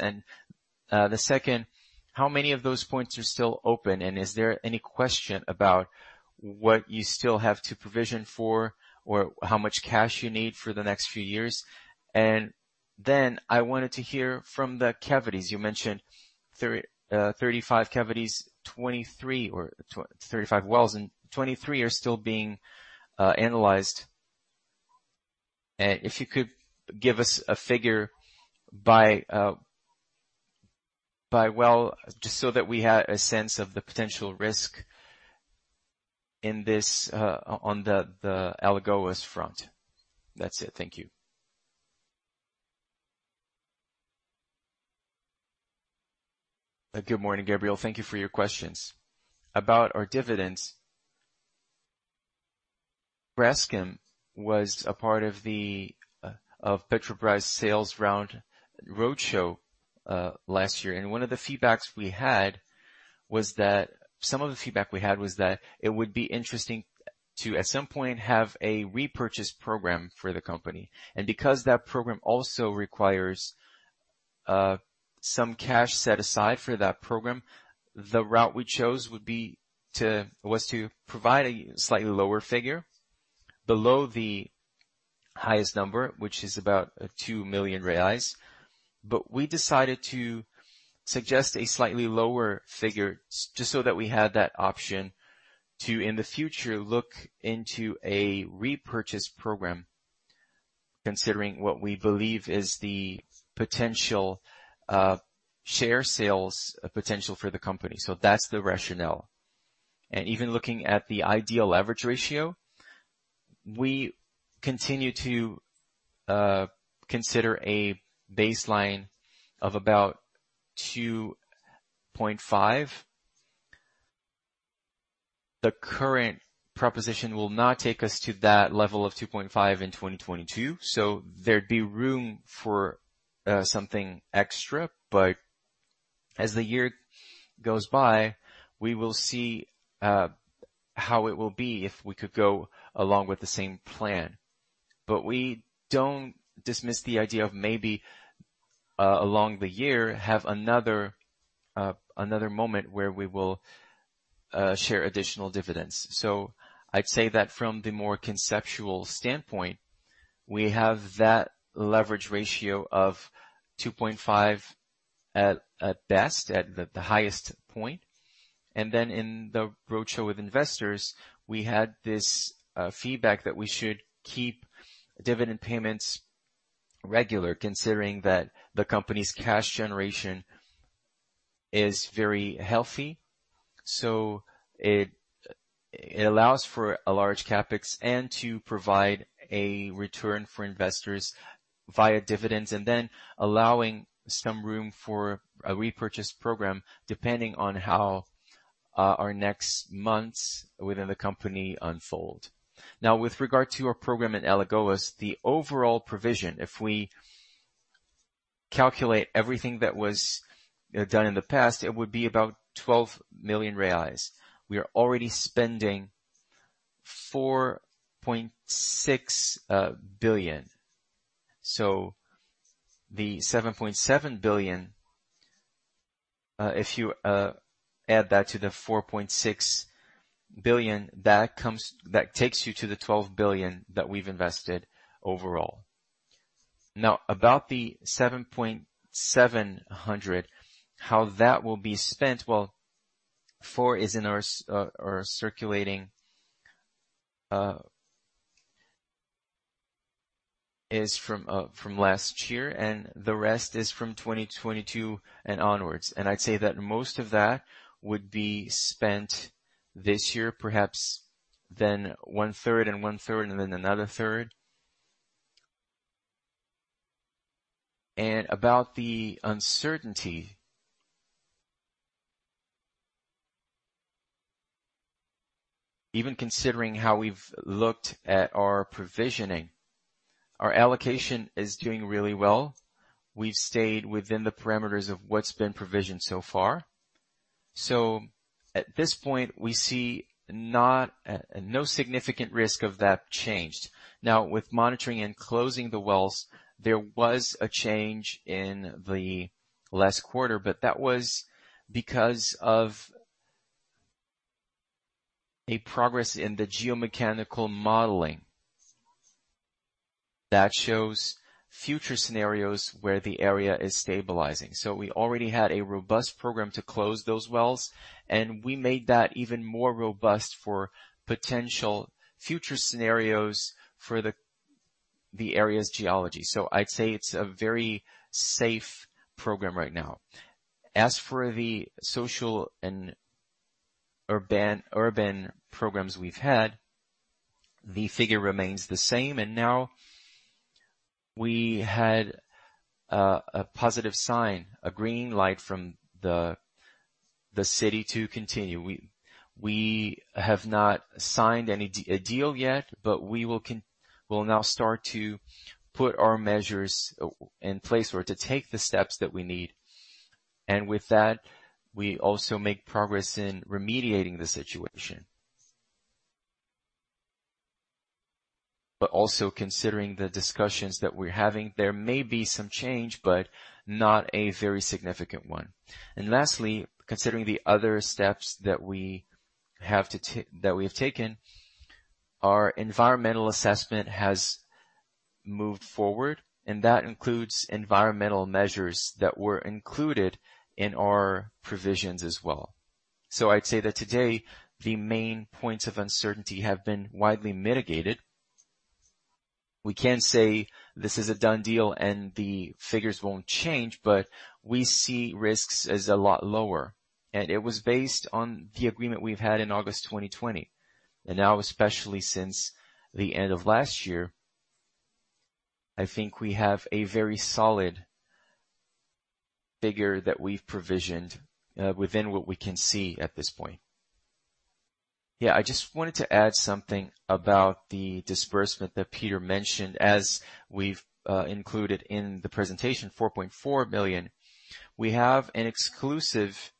The second, how many of those points are still open, and is there any question about what you still have to provision for or how much cash you need for the next few years? I wanted to hear from the cavities. You mentioned 35 cavities, 35 wells and 23 are still being analyzed. If you could give us a figure by well, just so that we have a sense of the potential risk in this, on the Alagoas front. That's it. Thank you. Good morning, Gabriel. Thank you for your questions. About our dividends, Braskem was a part of the Petrobras sales round roadshow last year. Some of the feedback we had was that it would be interesting to at some point have a repurchase program for the company. Because that program also requires some cash set aside for that program, the route we chose was to provide a slightly lower figure below the highest number, which is about 2 million reais. We decided to suggest a slightly lower figure just so that we had that option to, in the future, look into a repurchase program considering what we believe is the potential share sales potential for the company. That's the rationale. Even looking at the ideal leverage ratio, we continue to consider a baseline of about 2.5. The current proposition will not take us to that level of 2.5 in 2022, so there'd be room for something extra. As the year goes by, we will see how it will be if we could go along with the same plan. We don't dismiss the idea of maybe along the year have another moment where we will share additional dividends. I'd say that from the more conceptual standpoint, we have that leverage ratio of 2.5 at best at the highest point. Then in the roadshow with investors, we had this feedback that we should keep dividend payments regular considering that the company's cash generation is very healthy. It allows for a large CapEx and to provide a return for investors via dividends, and then allowing some room for a repurchase program, depending on how our next months within the company unfold. With regard to our program at Alagoas, the overall provision, if we calculate everything that was done in the past, it would be about 12 million reais. We are already spending 4.6 billion. The seven point seven billion, if you add that to the 4.6 billion, that takes you to the 12 billion that we've invested overall. About the 7.7 billion, how that will be spent? Well, four is in our circulating assets from last year, and the rest is from 2022 and onwards. I'd say that most of that would be spent this year, perhaps then 1/3 and 1/3, and then another third. About the uncertainty. Even considering how we've looked at our provisioning, our allocation is doing really well. We've stayed within the parameters of what's been provisioned so far. So at this point, we see no significant risk of that changed. Now, with monitoring and closing the wells, there was a change in the last quarter, but that was because of a progress in the geomechanical modeling that shows future scenarios where the area is stabilizing. So we already had a robust program to close those wells, and we made that even more robust for potential future scenarios for the area's geology. So I'd say it's a very safe program right now. As for the social and urban programs we've had, the figure remains the same. Now we had a positive sign, a green light from the city to continue. We have not signed a deal yet, but we'll now start to put our measures in place or to take the steps that we need. With that, we also make progress in remediating the situation. Also considering the discussions that we're having, there may be some change, but not a very significant one. Lastly, considering the other steps that we have taken, our environmental assessment has moved forward, and that includes environmental measures that were included in our provisions as well. I'd say that today the main points of uncertainty have been widely mitigated. We can't say this is a done deal and the figures won't change, but we see risks as a lot lower. It was based on the agreement we've had in August 2020. Now, especially since the end of last year, I think we have a very solid figure that we've provisioned within what we can see at this point. Yeah. I just wanted to add something about the disbursement that Peter mentioned. As we've included in the presentation, 4.4 million. We have an exclusive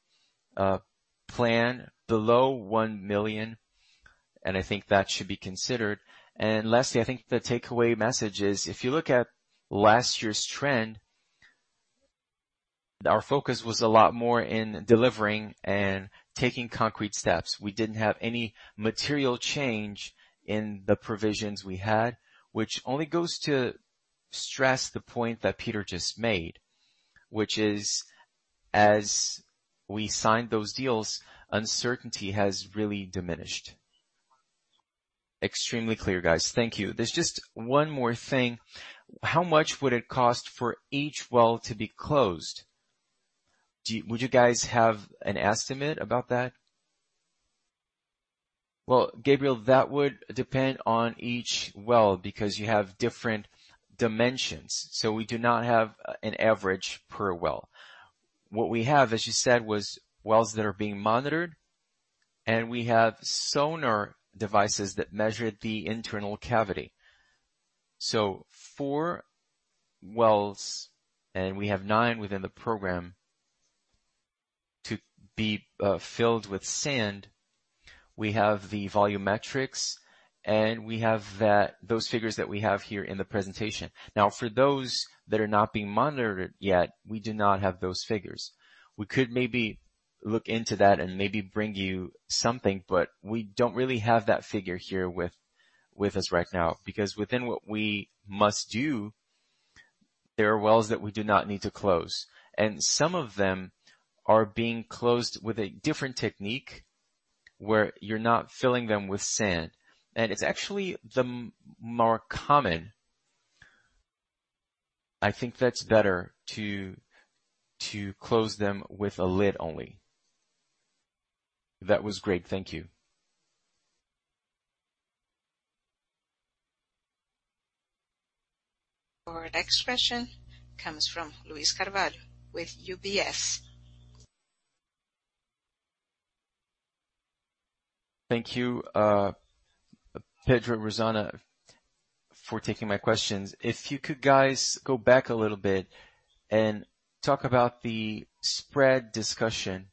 plan below 1 million, and I think that should be considered. Lastly, I think the takeaway message is if you look at last year's trend, our focus was a lot more in delivering and taking concrete steps. We didn't have any material change in the provisions we had, which only goes to stress the point that Peter just made, which is, as we signed those deals, uncertainty has really diminished. Extremely clear, guys. Thank you. There's just one more thing. How much would it cost for each well to be closed? Would you guys have an estimate about that? Well, Gabriel, that would depend on each well because you have different dimensions. So we do not have an average per well. What we have, as you said, was wells that are being monitored, and we have sonar devices that measure the internal cavity. So four wells, and we have nine within the program to be filled with sand. We have the volumetrics, and we have those figures that we have here in the presentation. Now, for those that are not being monitored yet, we do not have those figures. We could maybe look into that and maybe bring you something, but we don't really have that figure here with us right now. Because within what we must do, there are wells that we do not need to close, and some of them are being closed with a different technique where you're not filling them with sand. It's actually the more common. I think that's better to close them with a lid only. That was great. Thank you. Our next question comes from Luiz Carvalho with UBS. Thank you, Pedro, Rosana for taking my questions. If you could, guys, go back a little bit and talk about the spread discussion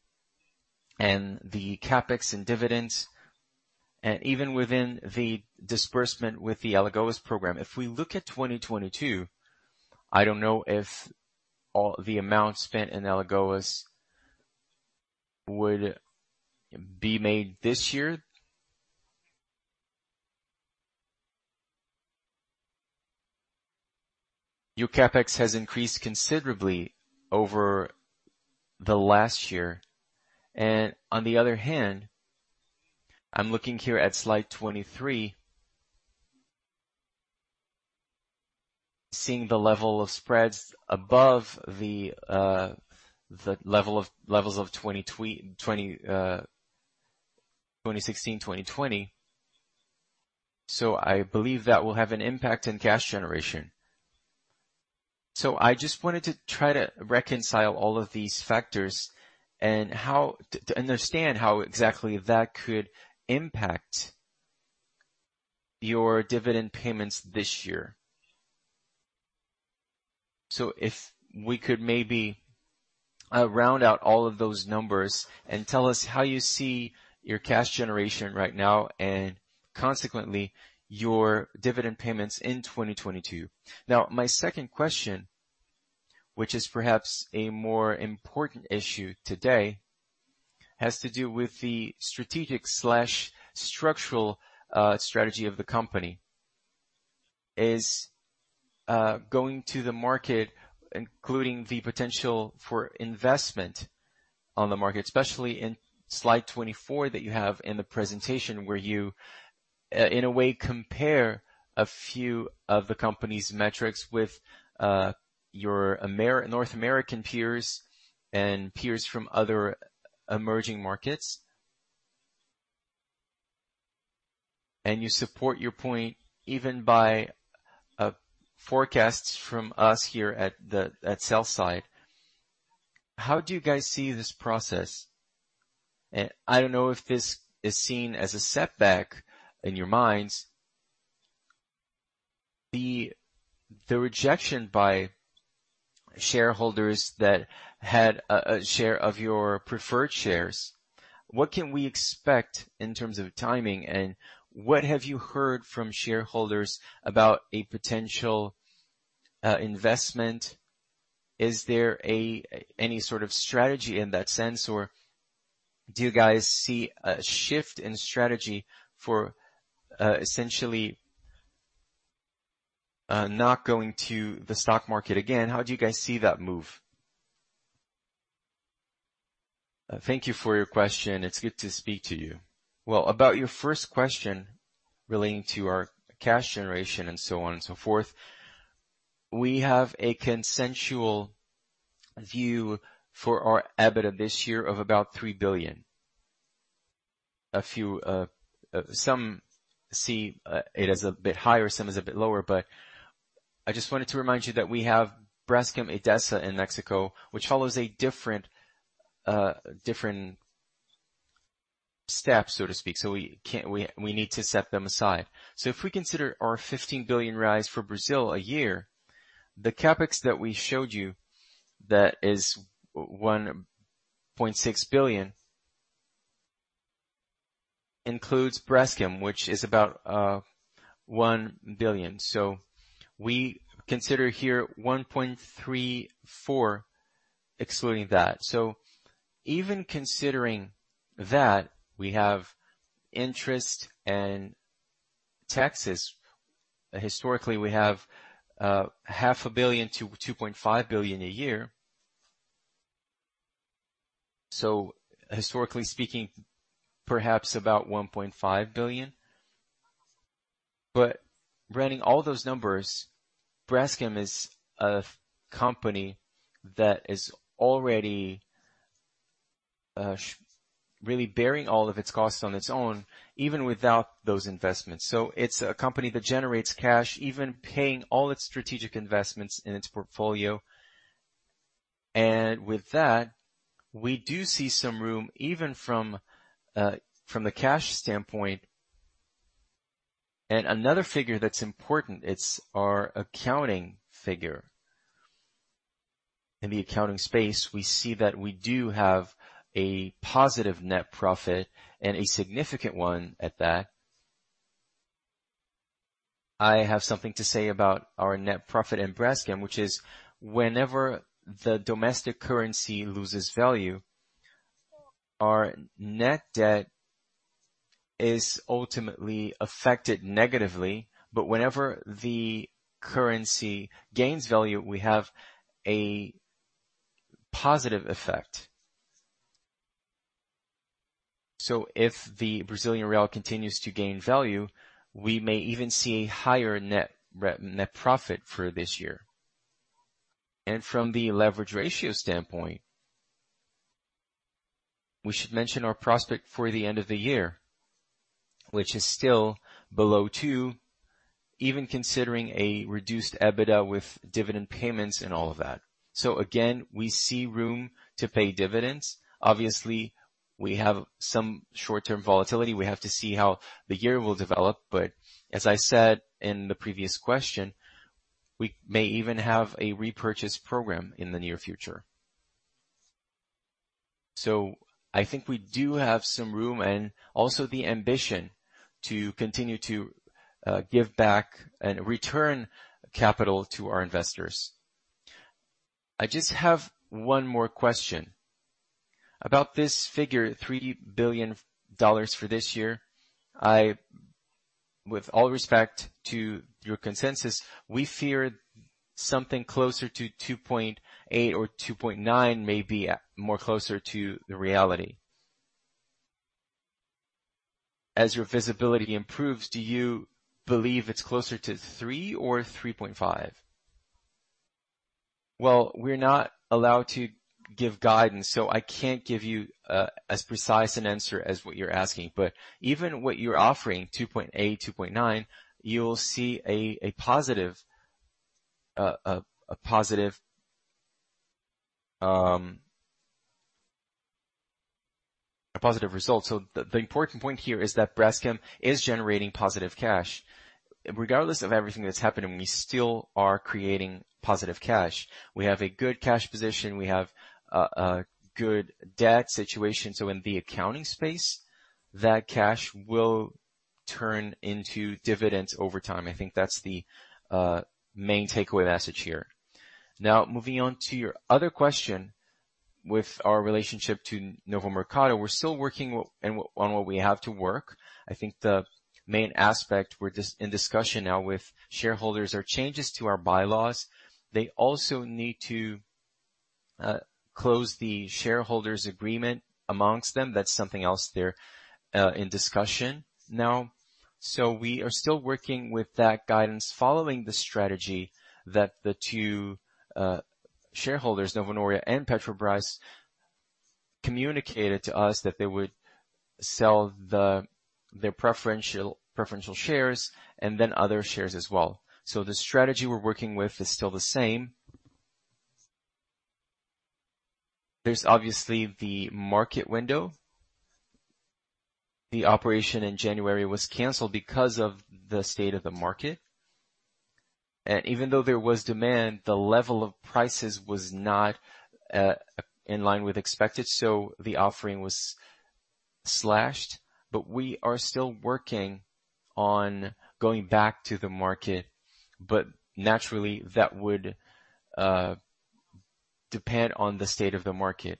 and the CapEx and dividends, and even within the disbursement with the Alagoas program. If we look at 2022, I don't know if all the amount spent in Alagoas would be made this year. Your CapEx has increased considerably over the last year. On the other hand, I'm looking here at Slide 23, seeing the levels of spreads above the levels of 2016-2020. I believe that will have an impact in cash generation. I just wanted to try to reconcile all of these factors and to understand how exactly that could impact your dividend payments this year. If we could maybe round out all of those numbers and tell us how you see your cash generation right now and consequently your dividend payments in 2022. Now, my second question, which is perhaps a more important issue today, has to do with the strategic structural strategy of the company. Is going to the market, including the potential for investment on the market, especially in Slide 24 that you have in the presentation, where you in a way compare a few of the company's metrics with your North American peers and peers from other emerging markets. You support your point even by forecasts from us here at sell side. How do you guys see this process? I don't know if this is seen as a setback in your minds. The rejection by shareholders that had a share of your preferred shares, what can we expect in terms of timing? What have you heard from shareholders about a potential investment? Is there any sort of strategy in that sense, or do you guys see a shift in strategy for essentially not going to the stock market again? How do you guys see that move? Thank you for your question. It's good to speak to you. Well, about your first question relating to our cash generation and so on and so forth, we have a consensus view for our EBITDA this year of about 3 billion. Some see it as a bit higher, some as a bit lower, but I just wanted to remind you that we have Braskem Idesa in Mexico, which follows a different step, so to speak, so we need to set them aside. If we consider our 15 billion reais rise for Brazil a year, the CapEx that we showed you that is 1.6 billion includes Braskem, which is about 1 billion. We consider here 1.34 billion excluding that. Even considering that, we have interest and taxes. Historically, we have half a billion to 2.5 billion a year. Historically speaking, perhaps about 1.5 billion. Running all those numbers, Braskem is a company that is already really bearing all of its costs on its own, even without those investments. It's a company that generates cash, even paying all its strategic investments in its portfolio. With that, we do see some room, even from the cash standpoint. Another figure that's important, it's our accounting figure. In the accounting space, we see that we do have a positive net profit and a significant one at that. I have something to say about our net profit in Braskem, which is whenever the domestic currency loses value, our net debt is ultimately affected negatively. Whenever the currency gains value, we have a positive effect. If the Brazilian real continues to gain value, we may even see a higher net profit for this year. From the leverage ratio standpoint, we should mention our prospect for the end of the year, which is still below two, even considering a reduced EBITDA with dividend payments and all of that. Again, we see room to pay dividends. Obviously, we have some short-term volatility. We have to see how the year will develop. As I said in the previous question, we may even have a repurchase program in the near future. I think we do have some room and also the ambition to continue to give back and return capital to our investors. I just have one more question. About this figure, $3 billion for this year. With all respect to your consensus, we fear something closer to 2.8 or 2.9 may be more closer to the reality. As your visibility improves, do you believe it's closer to three or 3.5? Well, we're not allowed to give guidance, so I can't give you as precise an answer as what you're asking. Even what you're offering, 2.8-2.9, you'll see a positive result. The important point here is that Braskem is generating positive cash. Regardless of everything that's happening, we still are creating positive cash. We have a good cash position. We have a good debt situation. In the accounting space, that cash will turn into dividends over time. I think that's the main takeaway message here. Now, moving on to your other question. With our relationship to Novo Mercado, we're still working on what we have to work. I think the main aspect we're in discussion now with shareholders are changes to our bylaws. They also need to close the shareholders agreement amongst them. That's something else they're in discussion now. We are still working with that guidance following the strategy that the two shareholders, Novonor and Petrobras, communicated to us that they would sell their preferential shares and then other shares as well. The strategy we're working with is still the same. There's obviously the market window. The operation in January was canceled because of the state of the market. Even though there was demand, the level of prices was not in line with expected, so the offering was slashed. We are still working on going back to the market. Naturally, that would depend on the state of the market.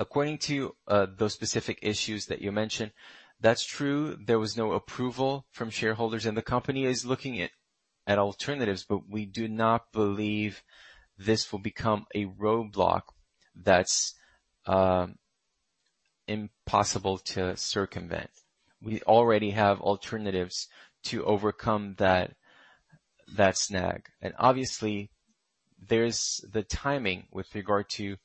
According to those specific issues that you mentioned, that's true, there was no approval from shareholders, and the company is looking at alternatives, but we do not believe this will become a roadblock that's impossible to circumvent. We already have alternatives to overcome that snag. Obviously, there's the timing with regard to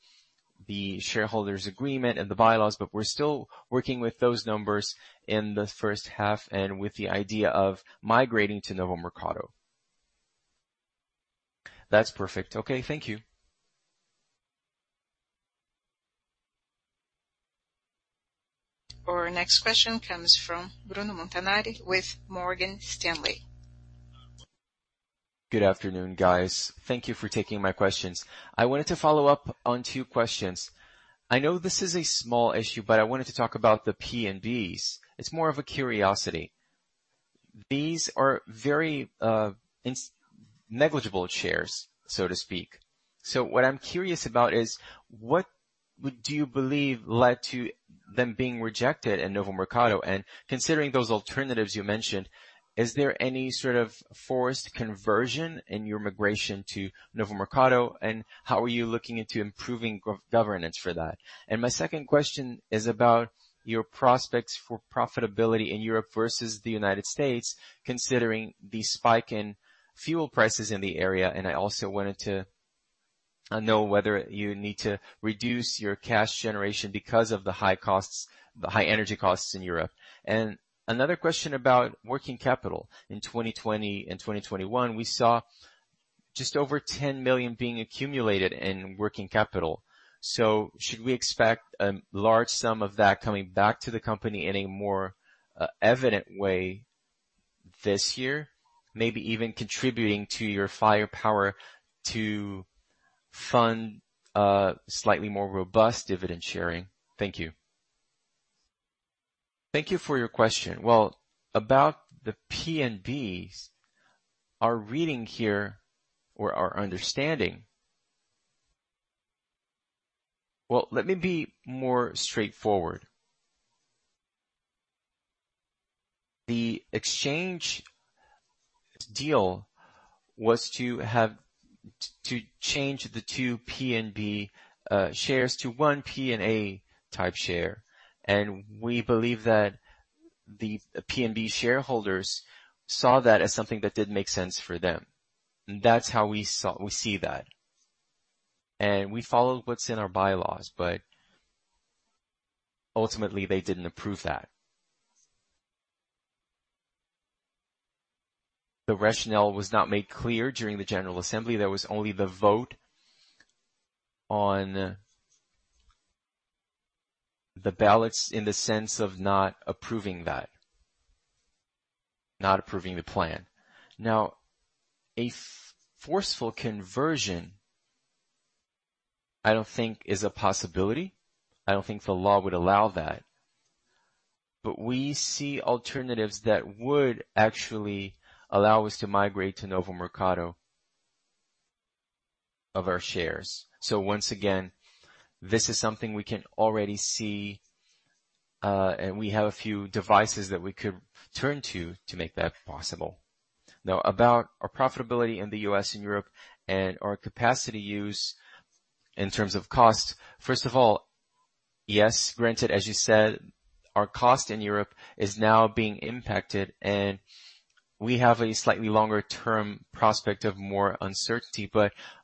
the shareholders agreement and the bylaws, but we're still working with those numbers in the first half and with the idea of migrating to Novo Mercado. That's perfect. Okay, thank you. Our next question comes from Bruno Montanari with Morgan Stanley. Good afternoon, guys. Thank you for taking my questions. I wanted to follow up on two questions. I know this is a small issue, but I wanted to talk about the PNB. It's more of a curiosity. These are very negligible shares, so to speak. What I'm curious about is, what do you believe led to them being rejected in Novo Mercado? Considering those alternatives you mentioned, is there any sort of forced conversion in your migration to Novo Mercado, and how are you looking into improving governance for that? My second question is about your prospects for profitability in Europe versus the United States, considering the spike in fuel prices in the area. I also wanted to know whether you need to reduce your cash generation because of the high costs, the high energy costs in Europe. Another question about working capital. In 2020 and 2021, we saw just over 10 million being accumulated in working capital. Should we expect a large sum of that coming back to the company in a more evident way this year? Maybe even contributing to your firepower to fund a slightly more robust dividend sharing. Thank you. Thank you for your question. Well, about the PNB, our reading here or our understanding. Well, let me be more straightforward. The exchange deal was to change the two PNB shares to one PNA type share, and we believe that the PNB shareholders saw that as something that didn't make sense for them. That's how we see that. We followed what's in our bylaws, but ultimately, they didn't approve that. The rationale was not made clear during the general assembly. There was only the vote on the ballots in the sense of not approving that, not approving the plan. Now, a forceful conversion, I don't think is a possibility. I don't think the law would allow that. We see alternatives that would actually allow us to migrate to Novo Mercado of our shares. Once again, this is something we can already see, and we have a few devices that we could turn to to make that possible. Now, about our profitability in the U.S. and Europe and our capacity use in terms of cost. First of all, yes, granted, as you said, our cost in Europe is now being impacted, and we have a slightly longer-term prospect of more uncertainty.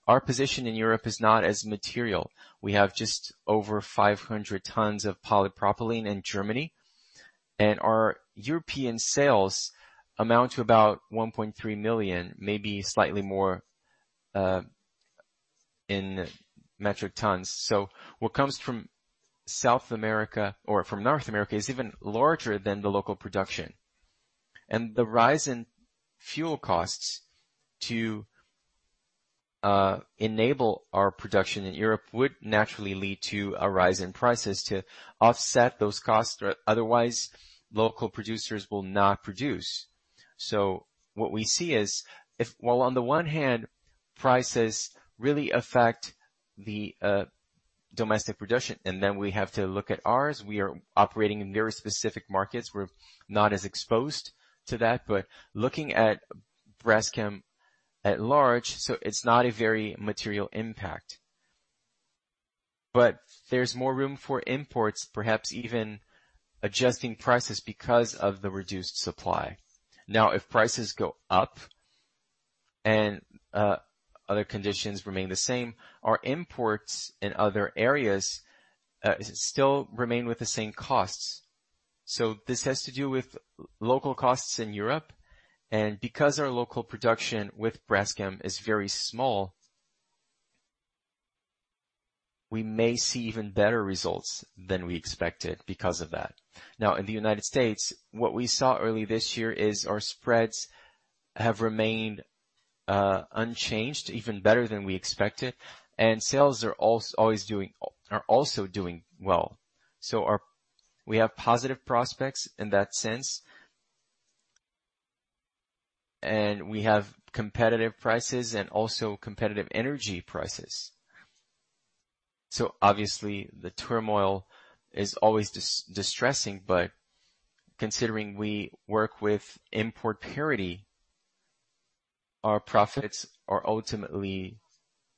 Our position in Europe is not as material. We have just over 500 tons of polypropylene in Germany, and our European sales amount to about 1.3 million, maybe slightly more, in metric tons. What comes from South America or from North America is even larger than the local production. The rise in fuel costs to enable our production in Europe would naturally lead to a rise in prices to offset those costs. Otherwise, local producers will not produce. What we see is, while on the one hand, prices really affect the domestic production, and then we have to look at ours. We are operating in very specific markets. We're not as exposed to that. Looking at Braskem at large, it's not a very material impact. There's more room for imports, perhaps even adjusting prices because of the reduced supply. Now, if prices go up and other conditions remain the same, our imports in other areas still remain with the same costs. This has to do with local costs in Europe. Because our local production with Braskem is very small, we may see even better results than we expected because of that. Now, in the United States, what we saw early this year is our spreads have remained unchanged, even better than we expected, and sales are also doing well. We have positive prospects in that sense. We have competitive prices and also competitive energy prices. Obviously the turmoil is always distressing, but considering we work with import parity, our profits are ultimately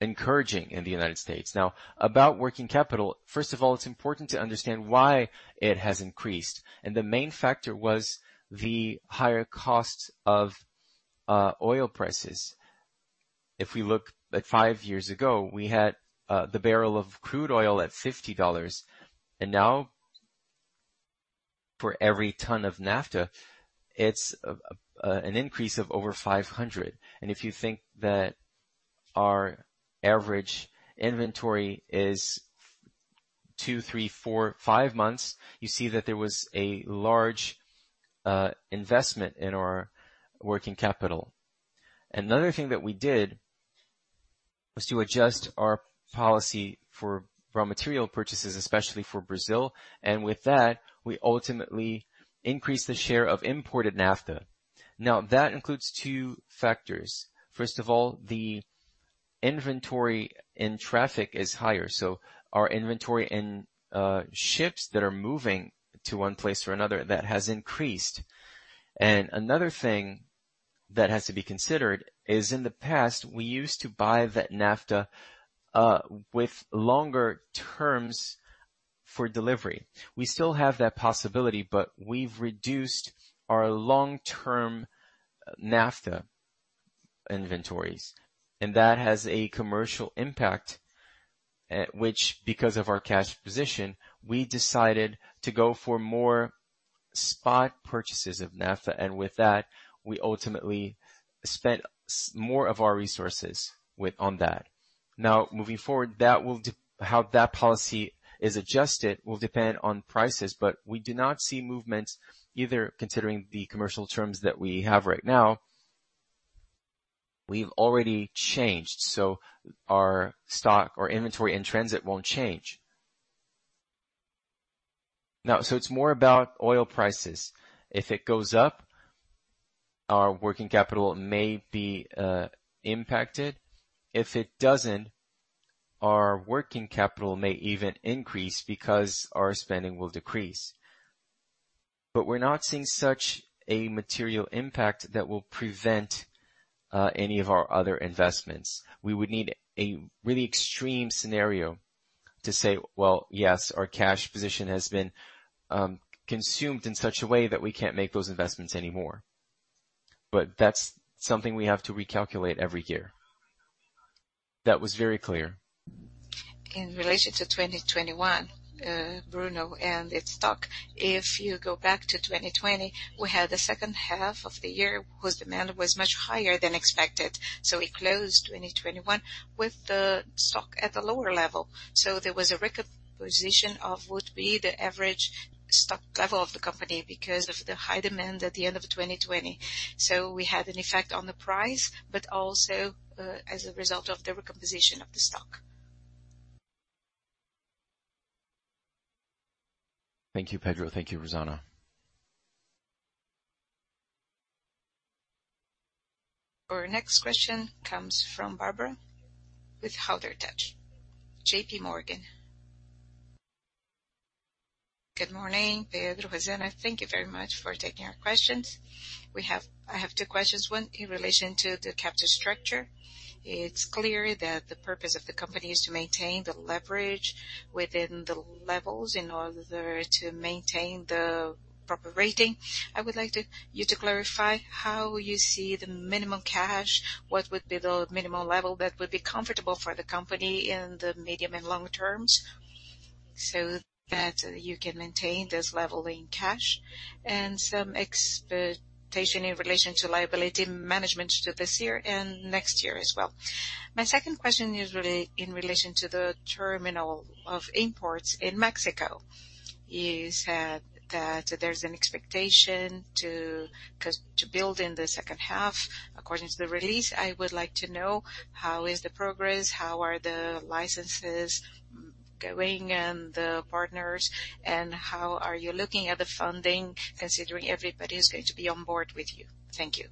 encouraging in the United States. Now, about working capital. First of all, it's important to understand why it has increased, and the main factor was the higher cost of oil prices. If we look at five years ago, we had the barrel of crude oil at $50, and now for every ton of naphtha, it's an increase of over $500. If you think that our average inventory is two, three, four, five months, you see that there was a large investment in our working capital. Another thing that we did was to adjust our policy for raw material purchases, especially for Brazil. With that, we ultimately increased the share of imported naphtha. Now, that includes two factors. First of all, the inventory in transit is higher. Our inventory in ships that are moving to one place or another, that has increased. Another thing that has to be considered is in the past, we used to buy that naphtha with longer terms for delivery. We still have that possibility, but we've reduced our long-term naphtha inventories, and that has a commercial impact, which because of our cash position, we decided to go for more spot purchases of naphtha. With that, we ultimately spent more of our resources on that. Now, moving forward, how that policy is adjusted will depend on prices, but we do not see movements either considering the commercial terms that we have right now. We've already changed, so our stock or inventory in transit won't change. Now, it's more about oil prices. If it goes up, our working capital may be impacted. If it doesn't, our working capital may even increase because our spending will decrease. We're not seeing such a material impact that will prevent any of our other investments. We would need a really extreme scenario to say, "Well, yes, our cash position has been consumed in such a way that we can't make those investments anymore." That's something we have to recalculate every year. That was very clear. In relation to 2021, Bruno, and its stock, if you go back to 2020, we had the second half of the year where demand was much higher than expected. We closed 2021 with the stock at a lower level. There was a recomposition of what would be the average stock level of the company because of the high demand at the end of 2020. We had an effect on the price, but also, as a result of the recomposition of the stock. Thank you, Pedro. Thank you, Rosana. Our next question comes from Carvalho with JPMorgan Chase & Co. Good morning, Pedro, Rosana. Thank you very much for taking our questions. I have two questions. One, in relation to the capital structure. It's clear that the purpose of the company is to maintain the leverage within the levels in order to maintain the proper rating. I would like you to clarify how you see the minimum cash, what would be the minimum level that would be comfortable for the company in the medium and long terms, so that you can maintain this level in cash, and some expectation in relation to liability management to this year and next year as well. My second question is really in relation to the terminal of imports in México. You said that there's an expectation to build in the second half according to the release. I would like to know how is the progress, how are the licenses going and the partners, and how are you looking at the funding, considering everybody is going to be on board with you? Thank you.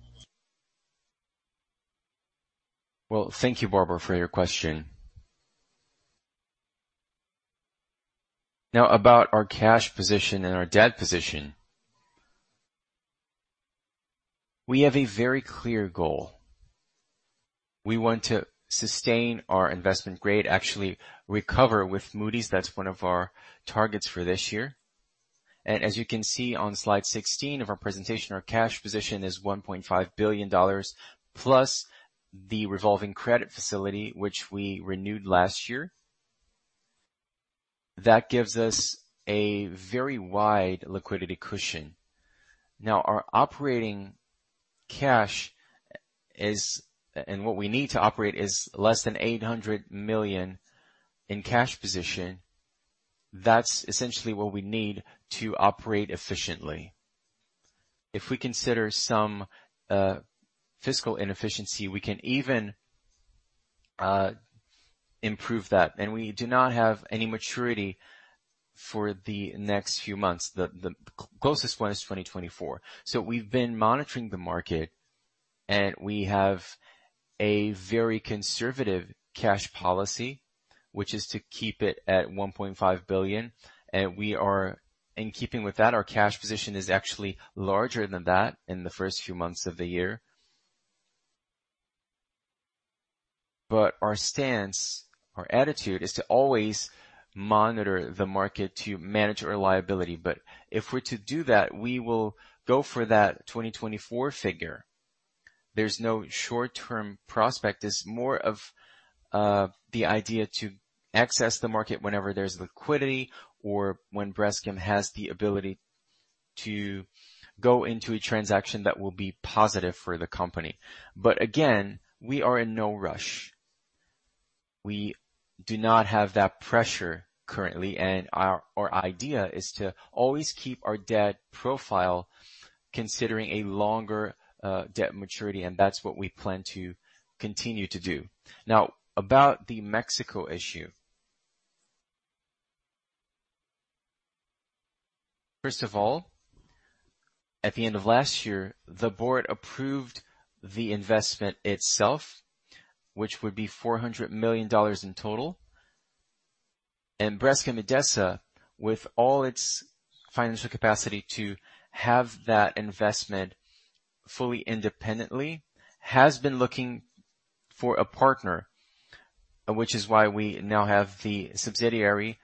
Well, thank you, Carvalho, for your question. Now, about our cash position and our debt position. We have a very clear goal. We want to sustain our investment grade, actually recover with Moody's. That's one of our targets for this year. As you can see on Slide 16 of our presentation, our cash position is $1.5 billion, plus the revolving credit facility which we renewed last year. That gives us a very wide liquidity cushion. Now, what we need to operate is less than $800 million in cash position. That's essentially what we need to operate efficiently. If we consider some fiscal inefficiency, we can even improve that. We do not have any maturity for the next few months. The closest one is 2024. We've been monitoring the market, and we have a very conservative cash policy, which is to keep it at 1.5 billion. In keeping with that, our cash position is actually larger than that in the first few months of the year. Our stance, our attitude, is to always monitor the market to manage our liability. If we're to do that, we will go for that 2024 figure. There's no short-term prospect. It's more of, the idea to access the market whenever there's liquidity or when Braskem has the ability to go into a transaction that will be positive for the company. Again, we are in no rush. We do not have that pressure currently, and our idea is to always keep our debt profile considering a longer debt maturity, and that's what we plan to continue to do. Now, about the Mexico issue. First of all, at the end of last year, the board approved the investment itself, which would be $400 million in total. Braskem Idesa, with all its financial capacity to have that investment fully independently, has been looking for a partner, which is why we now have the subsidiary,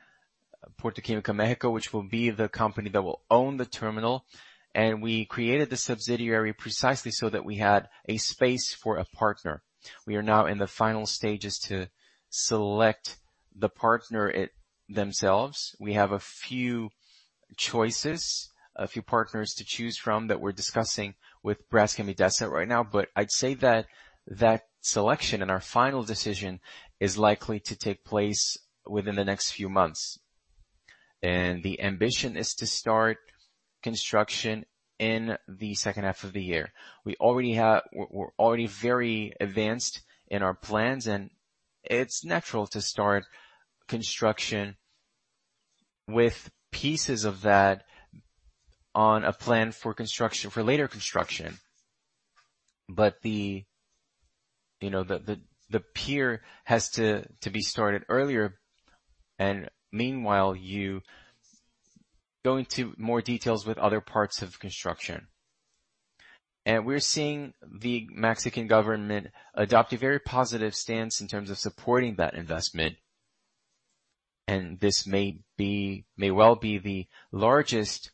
Puerto Química México, which will be the company that will own the terminal. We created the subsidiary precisely so that we had a space for a partner. We are now in the final stages to select the partners themselves. We have a few choices, a few partners to choose from that we're discussing with Braskem Idesa right now. I'd say that selection and our final decision is likely to take place within the next few months. The ambition is to start construction in the second half of the year. We're already very advanced in our plans, and it's natural to start construction with pieces of that on a plan for construction, for later construction. You know, the pier has to be started earlier, and meanwhile, you go into more details with other parts of construction. We're seeing the Mexican government adopt a very positive stance in terms of supporting that investment. This may be, may well be the largest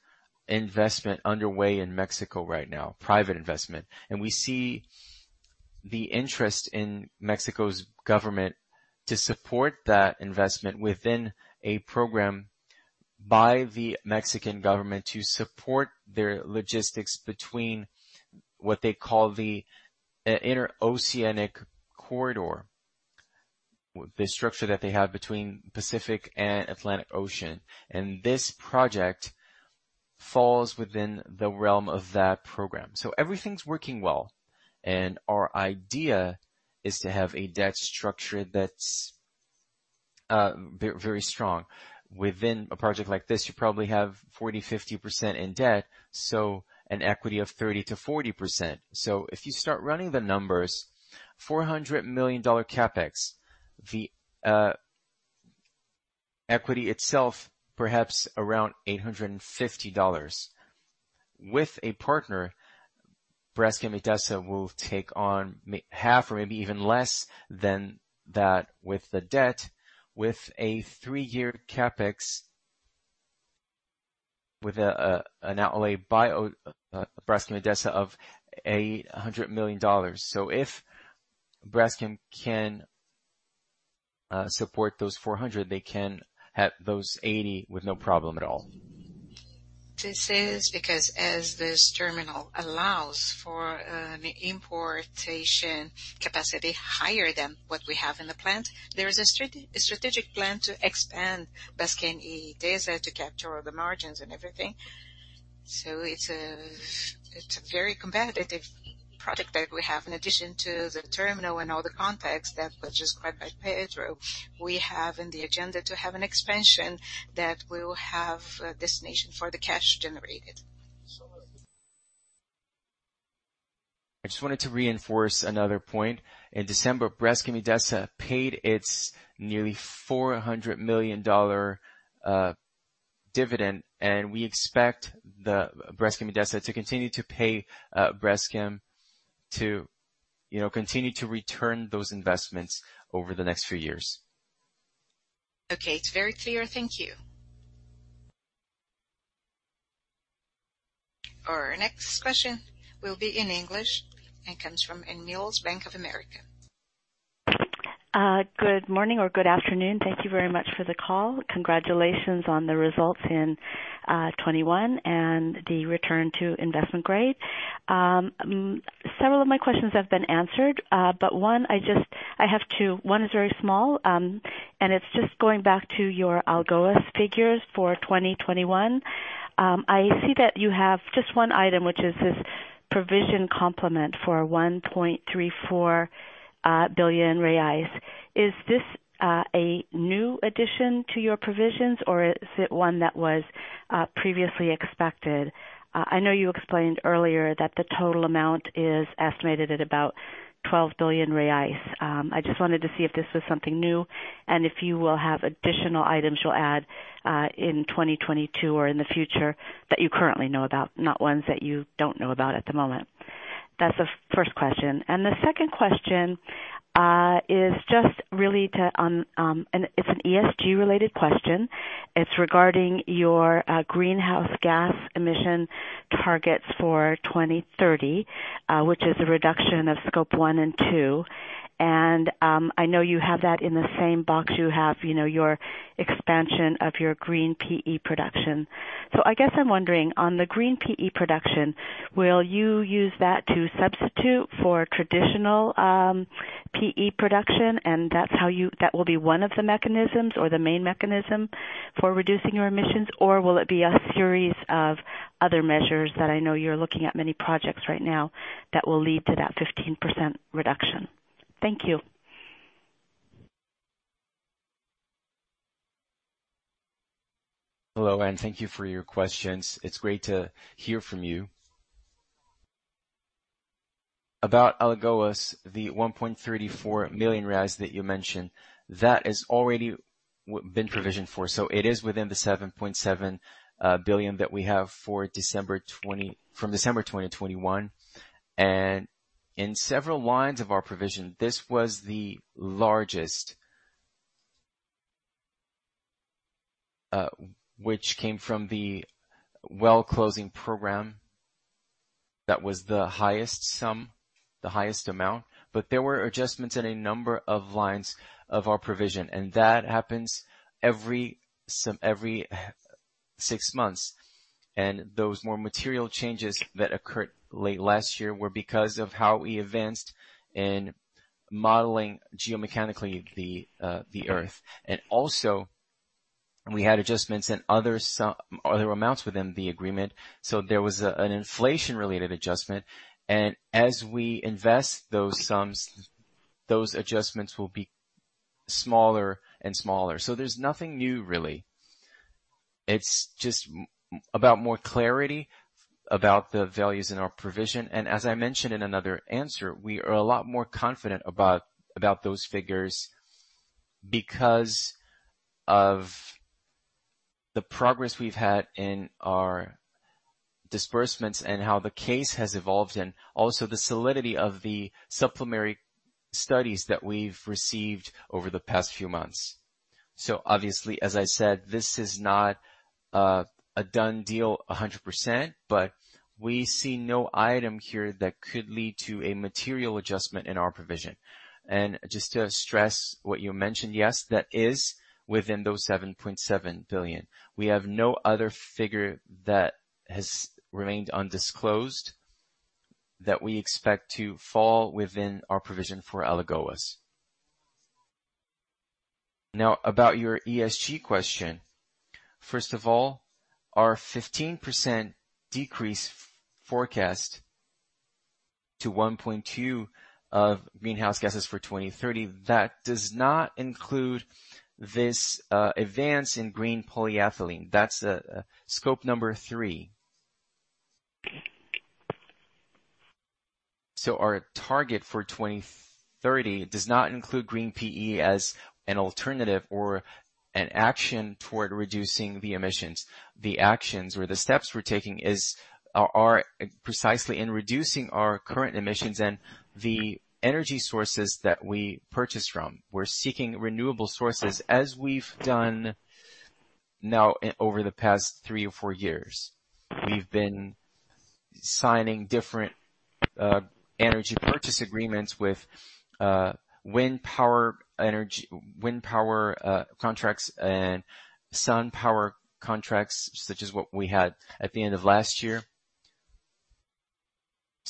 investment underway in Mexico right now, private investment. We see the interest in Mexico's government to support that investment within a program by the Mexican government to support their logistics between what they call the Interoceanic Corridor. With the structure that they have between Pacific and Atlantic Ocean, this project falls within the realm of that program. Everything's working well, and our idea is to have a debt structure that's very strong. Within a project like this, you probably have 40%-50% in debt, so an equity of 30%-40%. If you start running the numbers, $400 million CapEx, the equity itself perhaps around $850 million. With a partner, Braskem Idesa will take on half or maybe even less than that with the debt, with a three-year CapEx with an outlay by Braskem Idesa of $100 million. If Braskem can support those 400, they can have those 80 with no problem at all. This is because as this terminal allows for an importation capacity higher than what we have in the plant, there is a strategic plan to expand Braskem Idesa to capture the margins and everything. It's a very competitive project that we have. In addition to the terminal and all the context that was described by Pedro, we have in the agenda to have an expansion that will have a destination for the cash generated. I just wanted to reinforce another point. In December, Braskem Idesa paid its nearly $400 million dividend, and we expect the Braskem Idesa to continue to pay Braskem to, you know, continue to return those investments over the next few years. Okay. It's very clear. Thank you. Our next question will be in English and comes from Anne Milne, Bank of America. Good morning or good afternoon. Thank you very much for the call. Congratulations on the results in 2021 and the return to investment grade. Several of my questions have been answered, but I have two. One is very small, and it's just going back to your Alagoas figures for 2021. I see that you have just one item, which is this provision complement for 1.34 billion reais. Is this a new addition to your provisions, or is it one that was previously expected? I know you explained earlier that the total amount is estimated at about 12 billion reais. I just wanted to see if this was something new and if you will have additional items you'll add in 2022 or in the future that you currently know about, not ones that you don't know about at the moment. That's the first question. The second question is just really an ESG-related question. It's regarding your greenhouse gas emission targets for 2030, which is a reduction of Scope one and two. I know you have that in the same box you have, you know, your expansion of your green PE production. So I guess I'm wondering, on the green PE production, will you use that to substitute for traditional PE production, and that's how you. That will be one of the mechanisms or the main mechanism for reducing your emissions? Will it be a series of other measures that I know you're looking at many projects right now that will lead to that 15% reduction? Thank you. Hello, Anne. Thank you for your questions. It's great to hear from you. About Alagoas, the 1.34 million reais that you mentioned, that has already been provisioned for. It is within the 7.7 billion that we have from December 2021. In several lines of our provision, this was the largest, which came from the well-closing program. That was the highest sum, the highest amount. There were adjustments in a number of lines of our provision, and that happens every six months. Those more material changes that occurred late last year were because of how we advanced in modeling geomechanically the earth. We had adjustments in other amounts within the agreement. There was an inflation-related adjustment. As we invest those sums, those adjustments will be smaller and smaller. There's nothing new, really. It's just about more clarity about the values in our provision. As I mentioned in another answer, we are a lot more confident about those figures because of the progress we've had in our disbursements and how the case has evolved, and also the solidity of the supplementary studies that we've received over the past few months. Obviously, as I said, this is not a done deal 100%, but we see no item here that could lead to a material adjustment in our provision. Just to stress what you mentioned, yes, that is within those 7.7 billion. We have no other figure that has remained undisclosed that we expect to fall within our provision for Alagoas. Now about your ESG question. First of all, our 15% decrease forecast to 1.2 of greenhouse gases for 2030, that does not include this advance in green polyethylene. That's Scope three. Our target for 2030 does not include green PE as an alternative or an action toward reducing the emissions. The actions or the steps we're taking are precisely in reducing our current emissions and the energy sources that we purchase from. We're seeking renewable sources, as we've done now over the past three or four years. We've been signing different energy purchase agreements with wind power contracts and solar power contracts, such as what we had at the end of last year.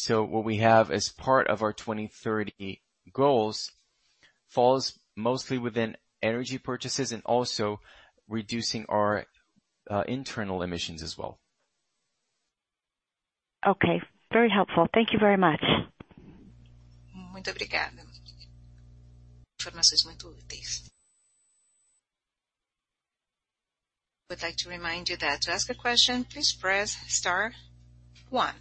What we have as part of our 2030 goals falls mostly within energy purchases and also reducing our internal emissions as well. Okay, very helpful. Thank you very much. would like to remind you that to ask a question, please press star one.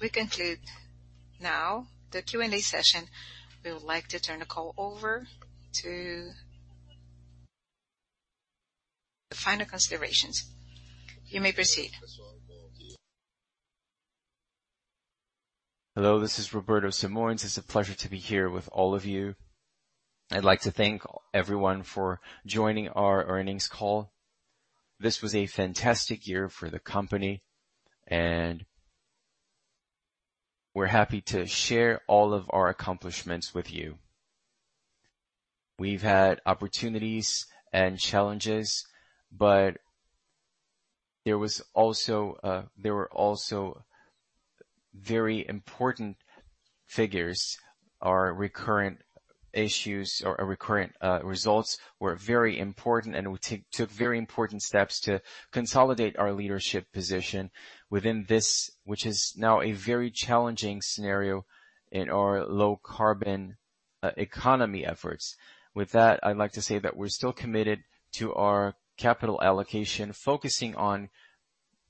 We now conclude the Q&A session. We would like to turn the call over to the final considerations. You may proceed. Hello, this is Roberto Simões. It's a pleasure to be here with all of you. I'd like to thank everyone for joining our earnings call. This was a fantastic year for the company, and we're happy to share all of our accomplishments with you. We've had opportunities and challenges, but there were also very important figures. Our recurrent results were very important, and we took very important steps to consolidate our leadership position within this, which is now a very challenging scenario in our low carbon economy efforts. With that, I'd like to say that we're still committed to our capital allocation, focusing on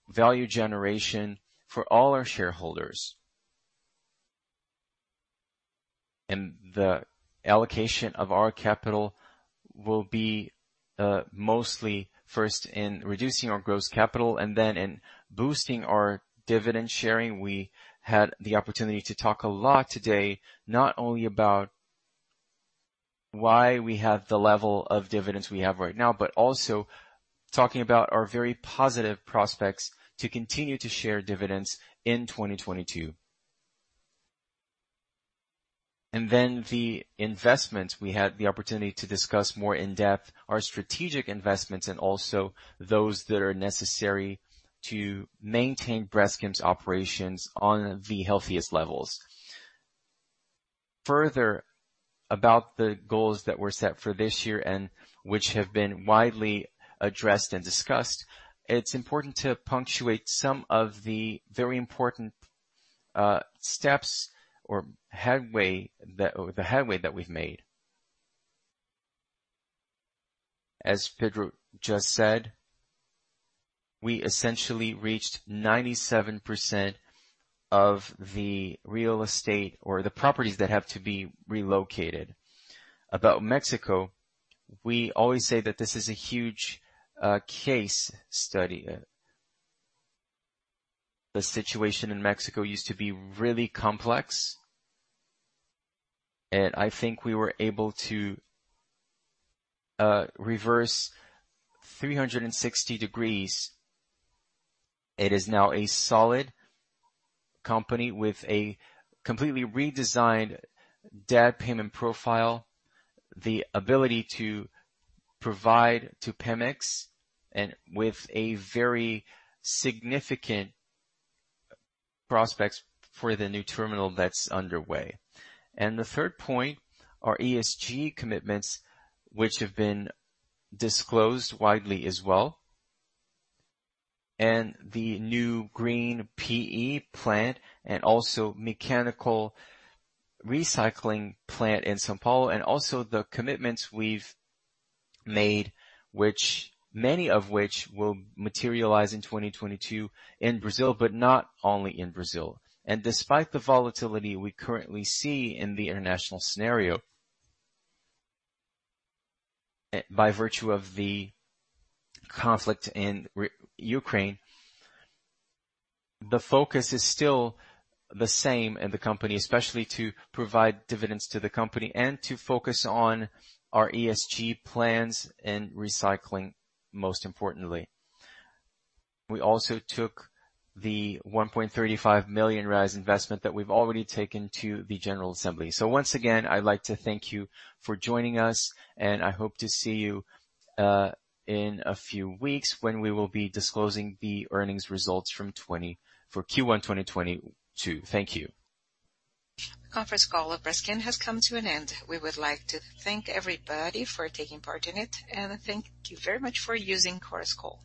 value generation for all our shareholders. The allocation of our capital will be mostly first in reducing our gross debt and then in boosting our dividend sharing. We had the opportunity to talk a lot today, not only about why we have the level of dividends we have right now, but also talking about our very positive prospects to continue to share dividends in 2022. Then the investments. We had the opportunity to discuss more in depth our strategic investments and also those that are necessary to maintain Braskem's operations on the healthiest levels. Further, about the goals that were set for this year and which have been widely addressed and discussed, it's important to punctuate some of the very important steps or the headway that we've made. As Pedro just said, we essentially reached 97% of the real estate or the properties that have to be relocated. About Mexico, we always say that this is a huge case study. The situation in Mexico used to be really complex, and I think we were able to reverse 360 degrees. It is now a solid company with a completely redesigned debt payment profile, the ability to provide to Pemex, and with a very significant prospects for the new terminal that's underway. The third point, our ESG commitments, which have been disclosed widely as well, and the new green PE plant and also mechanical recycling plant in São Paulo, and also the commitments we've made, which many of which will materialize in 2022 in Brazil, but not only in Brazil. Despite the volatility we currently see in the international scenario, by virtue of the conflict in Ukraine, the focus is still the same in the company, especially to provide dividends to the company and to focus on our ESG plans and recycling, most importantly. We also took the 1.35 million investment that we've already taken to the general assembly. Once again, I'd like to thank you for joining us, and I hope to see you in a few weeks when we will be disclosing the earnings results for Q1 2022. Thank you. The conference call of Braskem has come to an end. We would like to thank everybody for taking part in it, and thank you very much for using Chorus Call.